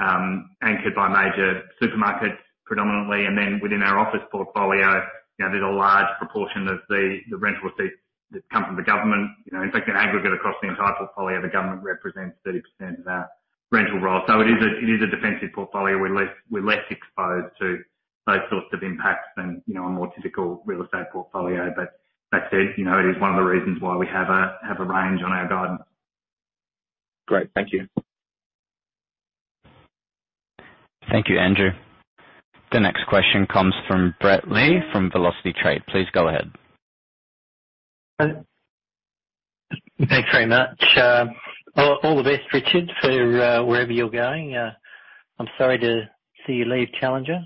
anchored by major supermarkets predominantly. Then within our office portfolio, there's a large proportion of the rental receipts that come from the government. In fact, in aggregate across the entire portfolio, the government represents 30% of our rental roll. It is a defensive portfolio. We're less exposed to those sorts of impacts than a more typical real estate portfolio. That said, it is one of the reasons why we have a range on our guidance. Great. Thank you. Thank you, Andrew. The next question comes from Brett Le from Velocity Trade. Please go ahead. Thanks very much. All the best, Richard, for wherever you're going. I'm sorry to see you leave Challenger.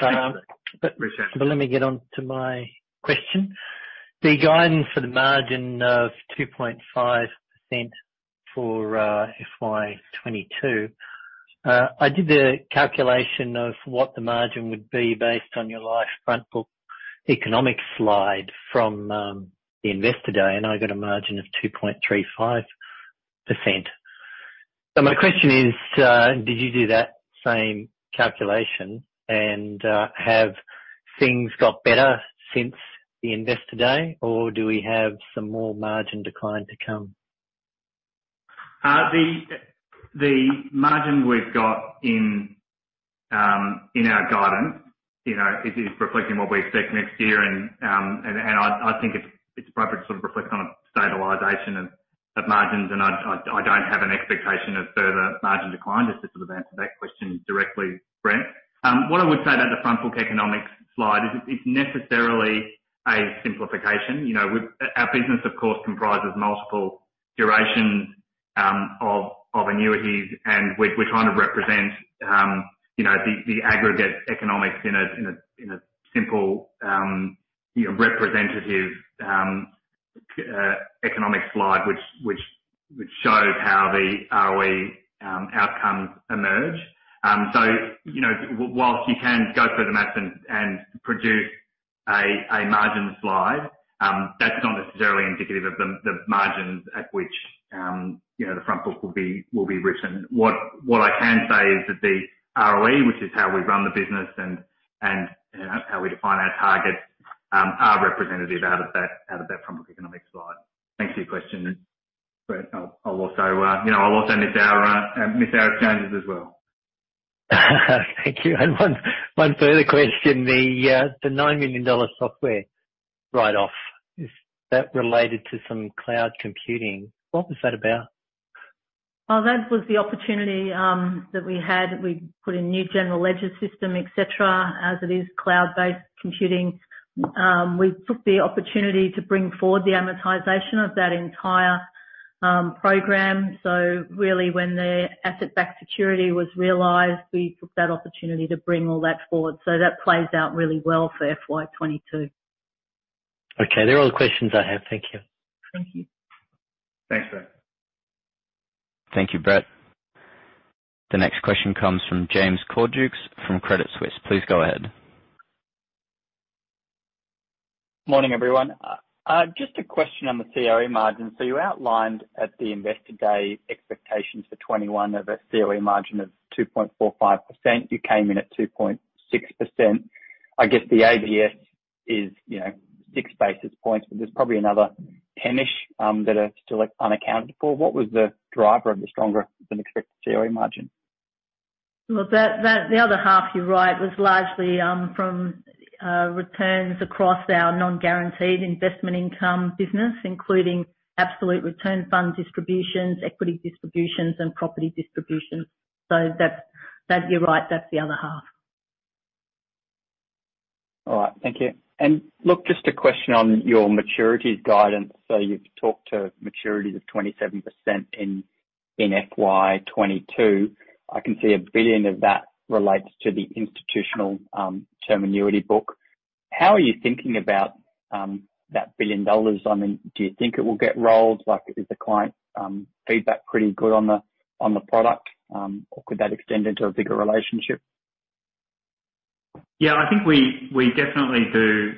Thanks. Appreciate it. Let me get on to my question. The guidance for the margin of 2.5% for FY 2022. I did a calculation of what the margin would be based on your life front book economics slide from the investor day, and I got a margin of 2.35%. My question is, did you do that same calculation? Have things got better since the investor day, or do we have some more margin decline to come? The margin we've got in our guidance is reflecting what we expect next year. I think it's appropriate to sort of reflect on a stabilization of margins, and I don't have an expectation of further margin decline, just to sort of answer that question directly, Brett. What I would say about the front book economics slide is it's necessarily a simplification. Our business, of course, comprises multiple durations of annuities, and we're trying to represent the aggregate economics in a simple, representative economics slide, which shows how the ROE outcomes emerge. Whilst you can go through the math and produce a margin slide, that's not necessarily indicative of the margins at which the front book will be written. What I can say is that the ROE, which is how we run the business and how we define our targets, are representative out of that front book economics slide. Thanks for your question, Brett. I'll also miss our exchanges as well. Thank you. One further question. The 9 million dollar software write-off, is that related to some cloud computing? What was that about? That was the opportunity that we had. We put in a new general ledger system, et cetera. It is cloud-based computing, we took the opportunity to bring forward the amortization of that entire program. Really, when the asset-backed security was realized, we took that opportunity to bring all that forward. That plays out really well for FY 2022. Okay. They're all the questions I have. Thank you. Thank you. Thanks, Brett. Thank you, Brett. The next question comes from James Cordukes from Credit Suisse. Please go ahead. Morning, everyone. Just a question on the COE margin. You outlined at the investor day expectations for 2021 of a COE margin of 2.45%. You came in at 2.6%. I guess the ABS is 6 basis points, but there's probably another 10-ish that are still unaccounted for. What was the driver of the stronger than expected COE margin? The other half, you're right, was largely from returns across our non-guaranteed investment income business, including absolute return funds distributions, equity distributions, and property distributions. You're right, that's the other half. All right. Thank you. Look, just a question on your maturities guidance. You've talked to maturities of 27% in FY 2022. I can see 1 billion of that relates to the institutional term annuity book. How are you thinking about that 1 billion dollars? Do you think it will get rolled? Like, is the client feedback pretty good on the product? Or could that extend into a bigger relationship? I think we definitely do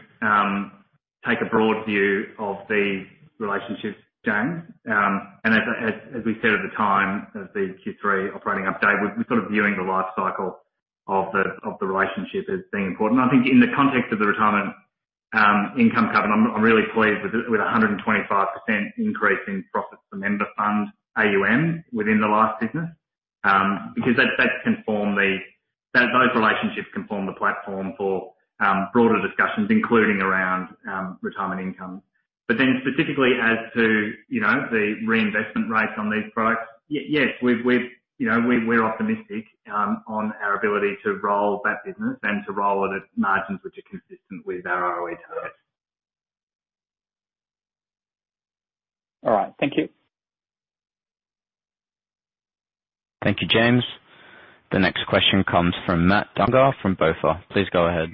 take a broad view of the relationship, James. As we said at the time of the Q3 operating update, we're sort of viewing the life cycle of the relationship as being important. I think in the context of the retirement income covenant, I'm really pleased with 125% increase in profit-for-member fund AUM within the life business. Those relationships can form the platform for broader discussions, including around retirement income. Specifically as to the reinvestment rates on these products, yes, we're optimistic on our ability to roll that business and to roll it at margins which are consistent with our ROE targets. All right. Thank you. Thank you, James. The next question comes from Matt Dunger from BofA. Please go ahead.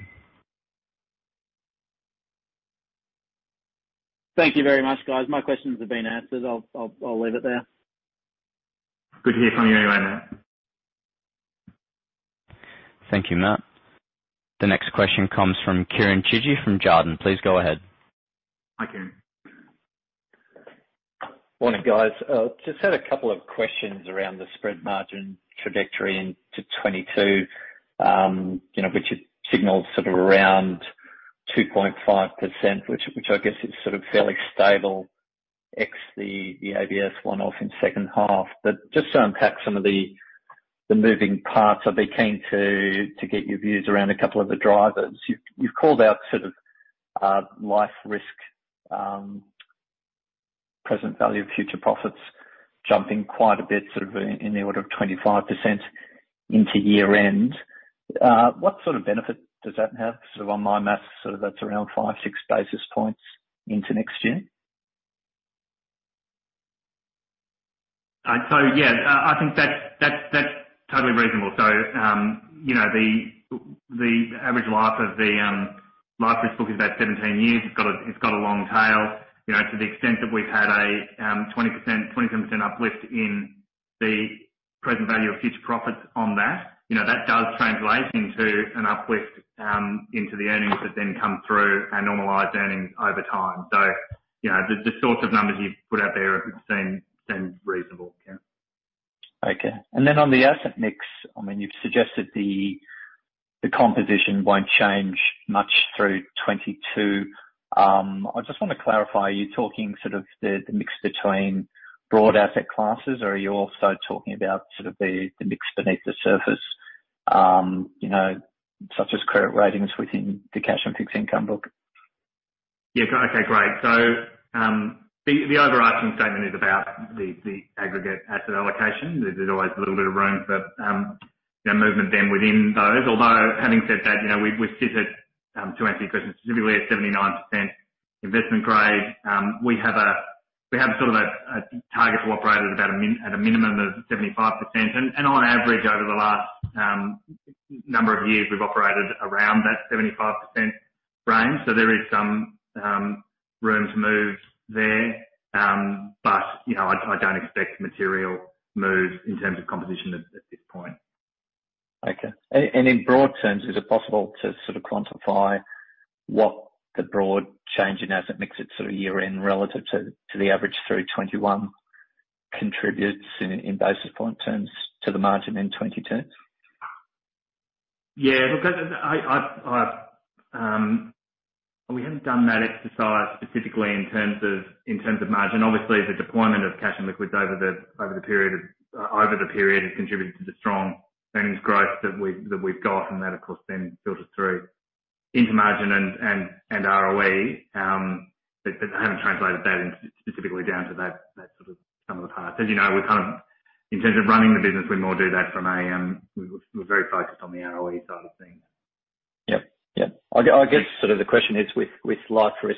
Thank you very much, guys. My questions have been answered. I'll leave it there. Good to hear from you anyway. Thank you, Matt. The next question comes from Kieren Chidgey from Jarden. Please go ahead. Hi, Kieren. Morning, guys. Just had a couple of questions around the spread margin trajectory into 2022, which has signaled sort of around 2.5%, which I guess is sort of fairly stable ex the ABS one-off in second half. Just to unpack some of the moving parts, I'd be keen to get your views around a couple of the drivers. You've called out sort of life risk, present value of future profits jumping quite a bit, sort of in the order of 25% into year-end. What sort of benefit does that have? Sort of on my math, that's around 5, 6 basis points into next year. Yeah. I think that's totally reasonable. The average life of the life risk book is about 17 years. It's got a long tail. To the extent that we've had a 27% uplift in the present value of future profits on that. That does translate into an uplift into the earnings that then come through our normalized earnings over time. The sort of numbers you've put out there seem reasonable, Kieren. Okay. On the asset mix, I mean, you've suggested the composition won't change much through 2022. I just want to clarify, are you talking sort of the mix between broad asset classes, or are you also talking about sort of the mix beneath the surface, such as credit ratings within the cash and fixed income book? Yeah. Okay, great. The overarching statement is about the aggregate asset allocation. There's always a little bit of room for movement then within those. Although having said that, we sit at, to answer your question specifically, at 79% investment grade. We have sort of a target to operate at a minimum of 75%. On average, over the last number of years, we've operated around that 75% range. There is some room to move there. I don't expect material moves in terms of composition at this point. Okay. In broad terms, is it possible to sort of quantify what the broad change in asset mix at sort of year-end relative to the average through FY 2021 contributes in basis point terms to the margin in 2022? Yeah. Look, we haven't done that exercise specifically in terms of margin. Obviously, the deployment of cash and liquids over the period has contributed to the strong earnings growth that we've got from that, of course, then filters through into margin and ROE. I haven't translated that specifically down to that sort of sum of the parts. As you know, we kind of, in terms of running the business, we more do that from we're very focused on the ROE side of things. Yep. I guess sort of the question is with life risk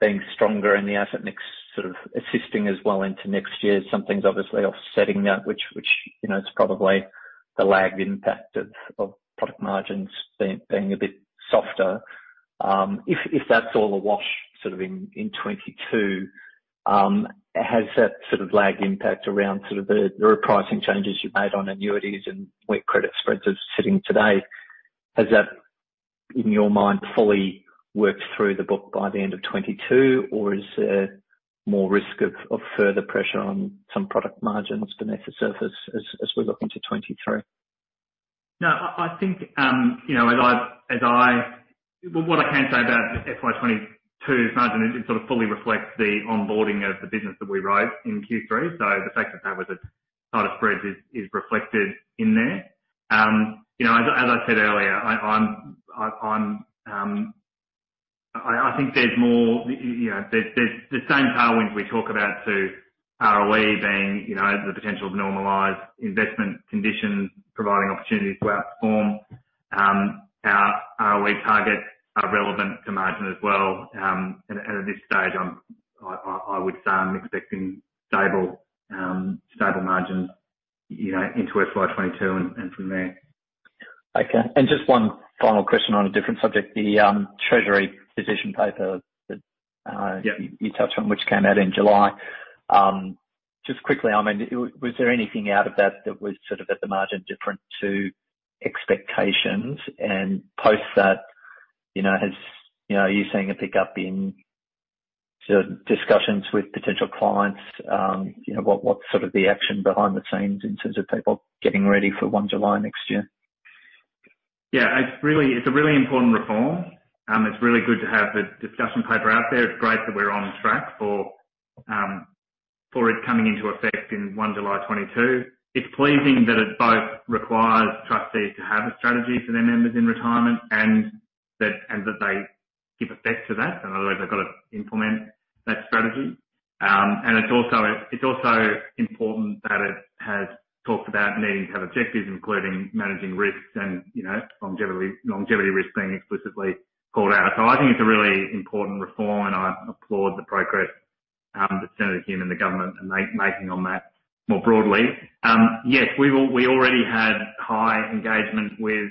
being stronger in the asset mix sort of assisting as well into next year, something's obviously offsetting that, which is probably the lagged impact of product margins being a bit softer. If that's all a wash sort of in 2022, has that sort of lagged impact around sort of the repricing changes you made on annuities and where credit spreads are sitting today, has that, in your mind, fully worked through the book by the end of 2022? Is there more risk of further pressure on some product margins beneath the surface as we look into 2023? What I can say about FY 2022 margin is it sort of fully reflects the onboarding of the business that we wrote in Q3. The fact that that was a tighter spread is reflected in there. As I said earlier, I think there's the same tailwinds we talk about to ROE being the potential of normalized investment conditions, providing opportunities to outperform our ROE targets are relevant to margin as well. At this stage, I would say I'm expecting stable margins into FY 2022 and from there. Okay. Just one final question on a different subject. Yeah. You touched on, which came out in July. Just quickly, was there anything out of that that was sort of at the margin different to expectations? Post that, are you seeing a pickup in sort of discussions with potential clients? What's sort of the action behind the scenes in terms of people getting ready for 1 July next year? Yeah. It's a really important reform. It's really good to have the discussion paper out there. It's great that we're on track for it coming into effect in 1 July 2022. It's pleasing that it both requires trustees to have a strategy for their members in retirement and that they give effect to that. In other words, they've got to implement that strategy. It's also important that it has talked about needing to have objectives, including managing risks and longevity risks being explicitly called out. I think it's a really important reform, and I applaud the progress that Senator Hume and the government are making on that more broadly. Yes, we already had high engagement with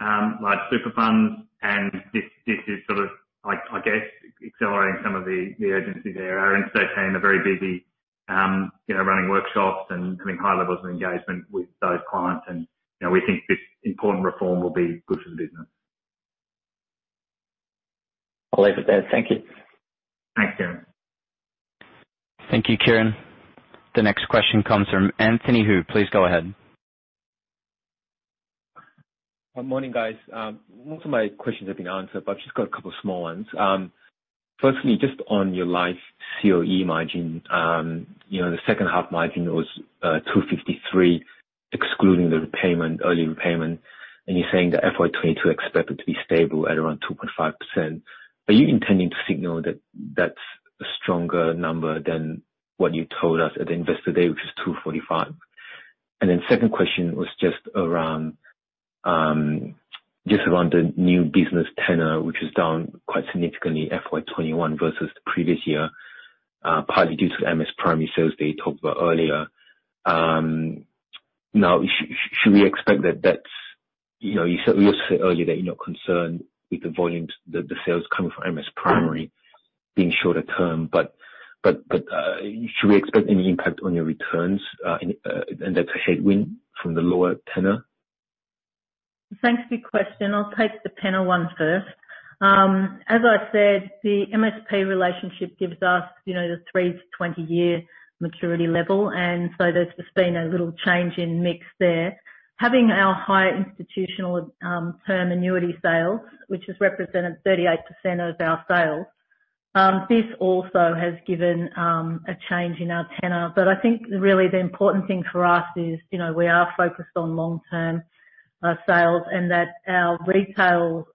life super funds, and this is sort of, I guess, accelerating some of the urgency there. Our Insto team are very busy running workshops and having high levels of engagement with those clients. We think this important reform will be good for the business. I'll leave it there. Thank you. Thanks, Kieren. Thank you, Kieren. The next question comes from Anthony Hoo. Please go ahead. Morning, guys. Most of my questions have been answered, just got a couple small ones. Firstly, just on your Life COE margin. The second half margin was 2.53%, excluding the early repayment, you're saying that FY 2022 expected to be stable at around 2.5%. Are you intending to signal that that's a stronger number than what you told us at Investor Day, which was 2.45%? Second question was just around the new business tenor, which is down quite significantly, FY 2021 versus the previous year, partly due to the MS Primary sales that you talked about earlier. Now, you said earlier that you're not concerned with the volumes that the sales coming from MS Primary being shorter term, should we expect any impact on your returns, that's a headwind from the lower tenor? Thanks for your question. I'll take the tenor one first. As I said, the MS Primary relationship gives us the 3-20-year maturity level. There's just been a little change in mix there. Having our high institutional term annuity sales, which has represented 38% of our sales, this also has given a change in our tenor. I think really the important thing for us is we are focused on long-term sales and that our retail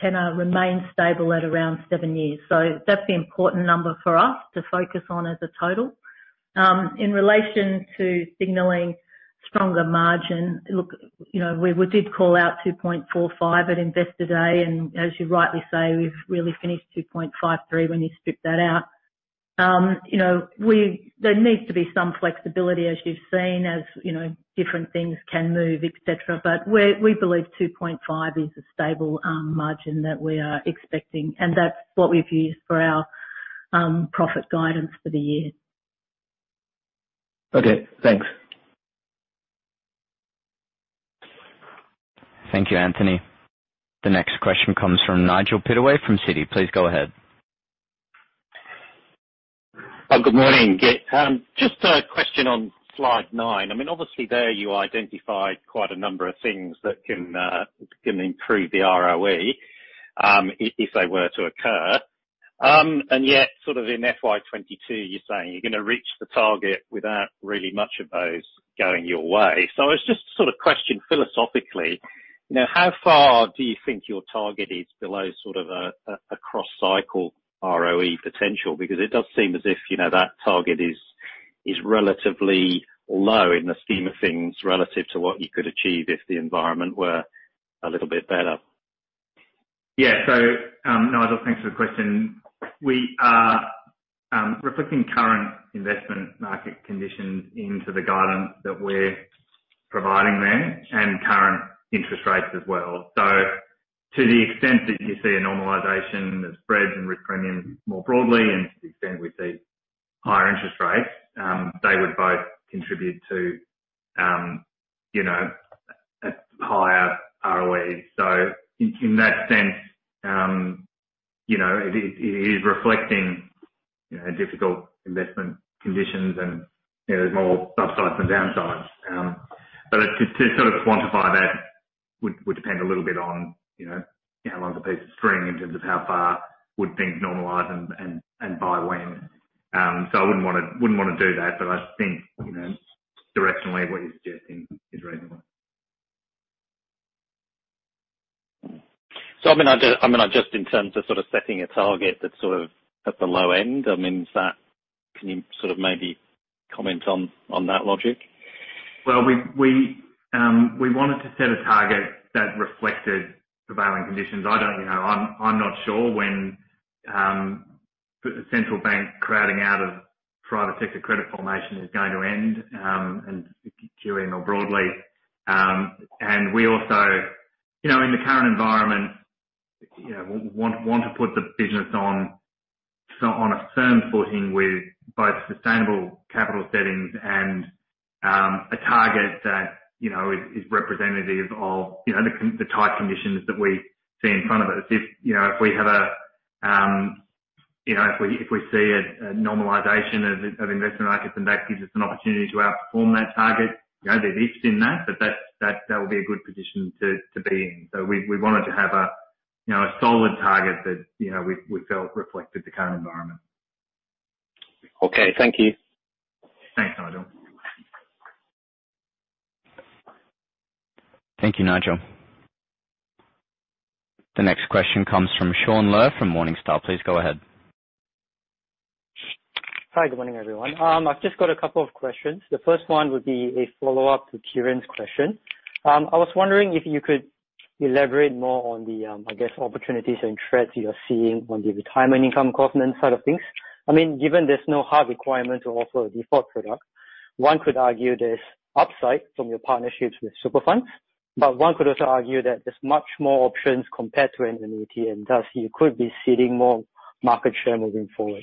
tenor remains stable at around seven years. That's the important number for us to focus on as a total. In relation to signaling stronger margin, look, we did call out 2.45% at Investor Day. As you rightly say, we've really finished 2.53% when you strip that out. There needs to be some flexibility, as you've seen, as different things can move, et cetera. We believe 2.5% is a stable margin that we are expecting, and that's what we've used for our profit guidance for the year. Okay, thanks. Thank you, Anthony. The next question comes from Nigel Pittaway from Citi. Please go ahead. Good morning. Just a question on slide nine. Obviously there you identified quite a number of things that can improve the ROE, if they were to occur. Yet sort of in FY 2022, you're saying you're going to reach the target without really much of those going your way. I was just sort of question philosophically, how far do you think your target is below sort of a cross-cycle ROE potential? Because it does seem as if that target is relatively low in the scheme of things relative to what you could achieve if the environment were a little bit better. Yeah. Nigel, thanks for the question. We are reflecting current investment market conditions into the guidance that we're providing there and current interest rates as well. To the extent that you see a normalization of spreads and risk premiums more broadly and to the extent we see higher interest rates, they would both contribute to a higher ROE. In that sense, it is reflecting difficult investment conditions, and there's more upsides than downsides. To sort of quantify that would depend a little bit on how long the piece of string in terms of how far would things normalize and by when. I wouldn't want to do that, but I think directionally what you're suggesting is reasonable. Just in terms of sort of setting a target that's sort of at the low end, can you sort of maybe comment on that logic? Well, we wanted to set a target that reflected prevailing conditions. I'm not sure when central bank crowding out of private sector credit formation is going to end and QE more broadly. We want to put the business on a firm footing with both sustainable capital settings and a target that is representative of the tight conditions that we see in front of us. If we see a normalization of investment markets and that gives us an opportunity to outperform that target, there's risk in that, but that would be a good position to be in. We wanted to have a solid target that we felt reflected the current environment. Okay. Thank you. Thanks, Nigel. Thank you, Nigel. The next question comes from Sean Dunlop from Morningstar. Please go ahead. Hi. Good morning, everyone. I've just got a couple of questions. The first one would be a follow-up to Kieren's question. I was wondering if you could elaborate more on the, I guess, opportunities and threats you're seeing on the retirement income covenant side of things. Given there's no hard requirement to offer a default product, one could argue there's upside from your partnerships with super funds. One could also argue that there's much more options compared to an annuity, and thus you could be ceding more market share moving forward.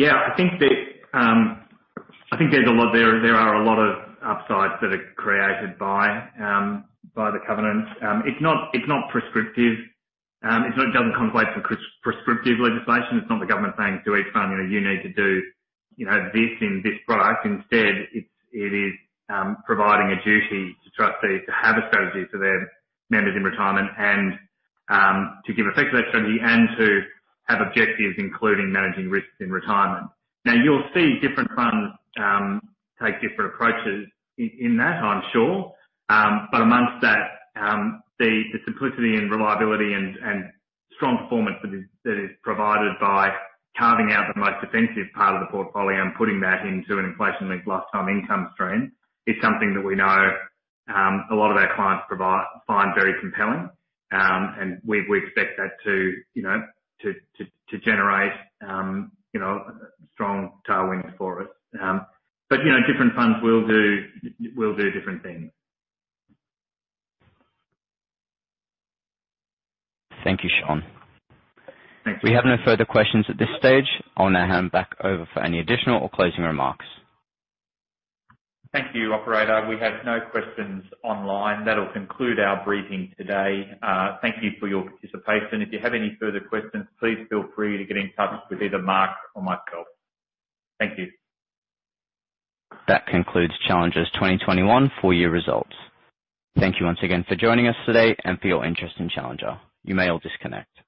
I think there are a lot of upsides that are created by the covenant. It's not prescriptive. It doesn't contemplate some prescriptive legislation. It's not the government saying to each fund, "You need to do this in this product." Instead, it is providing a duty to trustees to have a strategy for their members in retirement and to give effect to that strategy and to have objectives, including managing risks in retirement. You'll see different funds take different approaches in that, I'm sure. Amongst that, the simplicity and reliability and strong performance that is provided by carving out the most defensive part of the portfolio and putting that into an inflation-linked lifetime income stream is something that we know a lot of our clients find very compelling. We expect that to generate strong tailwinds for us. Different funds will do different things. Thank you, Sean. Thanks. We have no further questions at this stage. I'll now hand back over for any additional or closing remarks. Thank you, operator. We have no questions online. That'll conclude our briefing today. Thank you for your participation. If you have any further questions, please feel free to get in touch with either Mark or myself. Thank you. That concludes Challenger's 2021 full year results. Thank you once again for joining us today and for your interest in Challenger. You may all disconnect.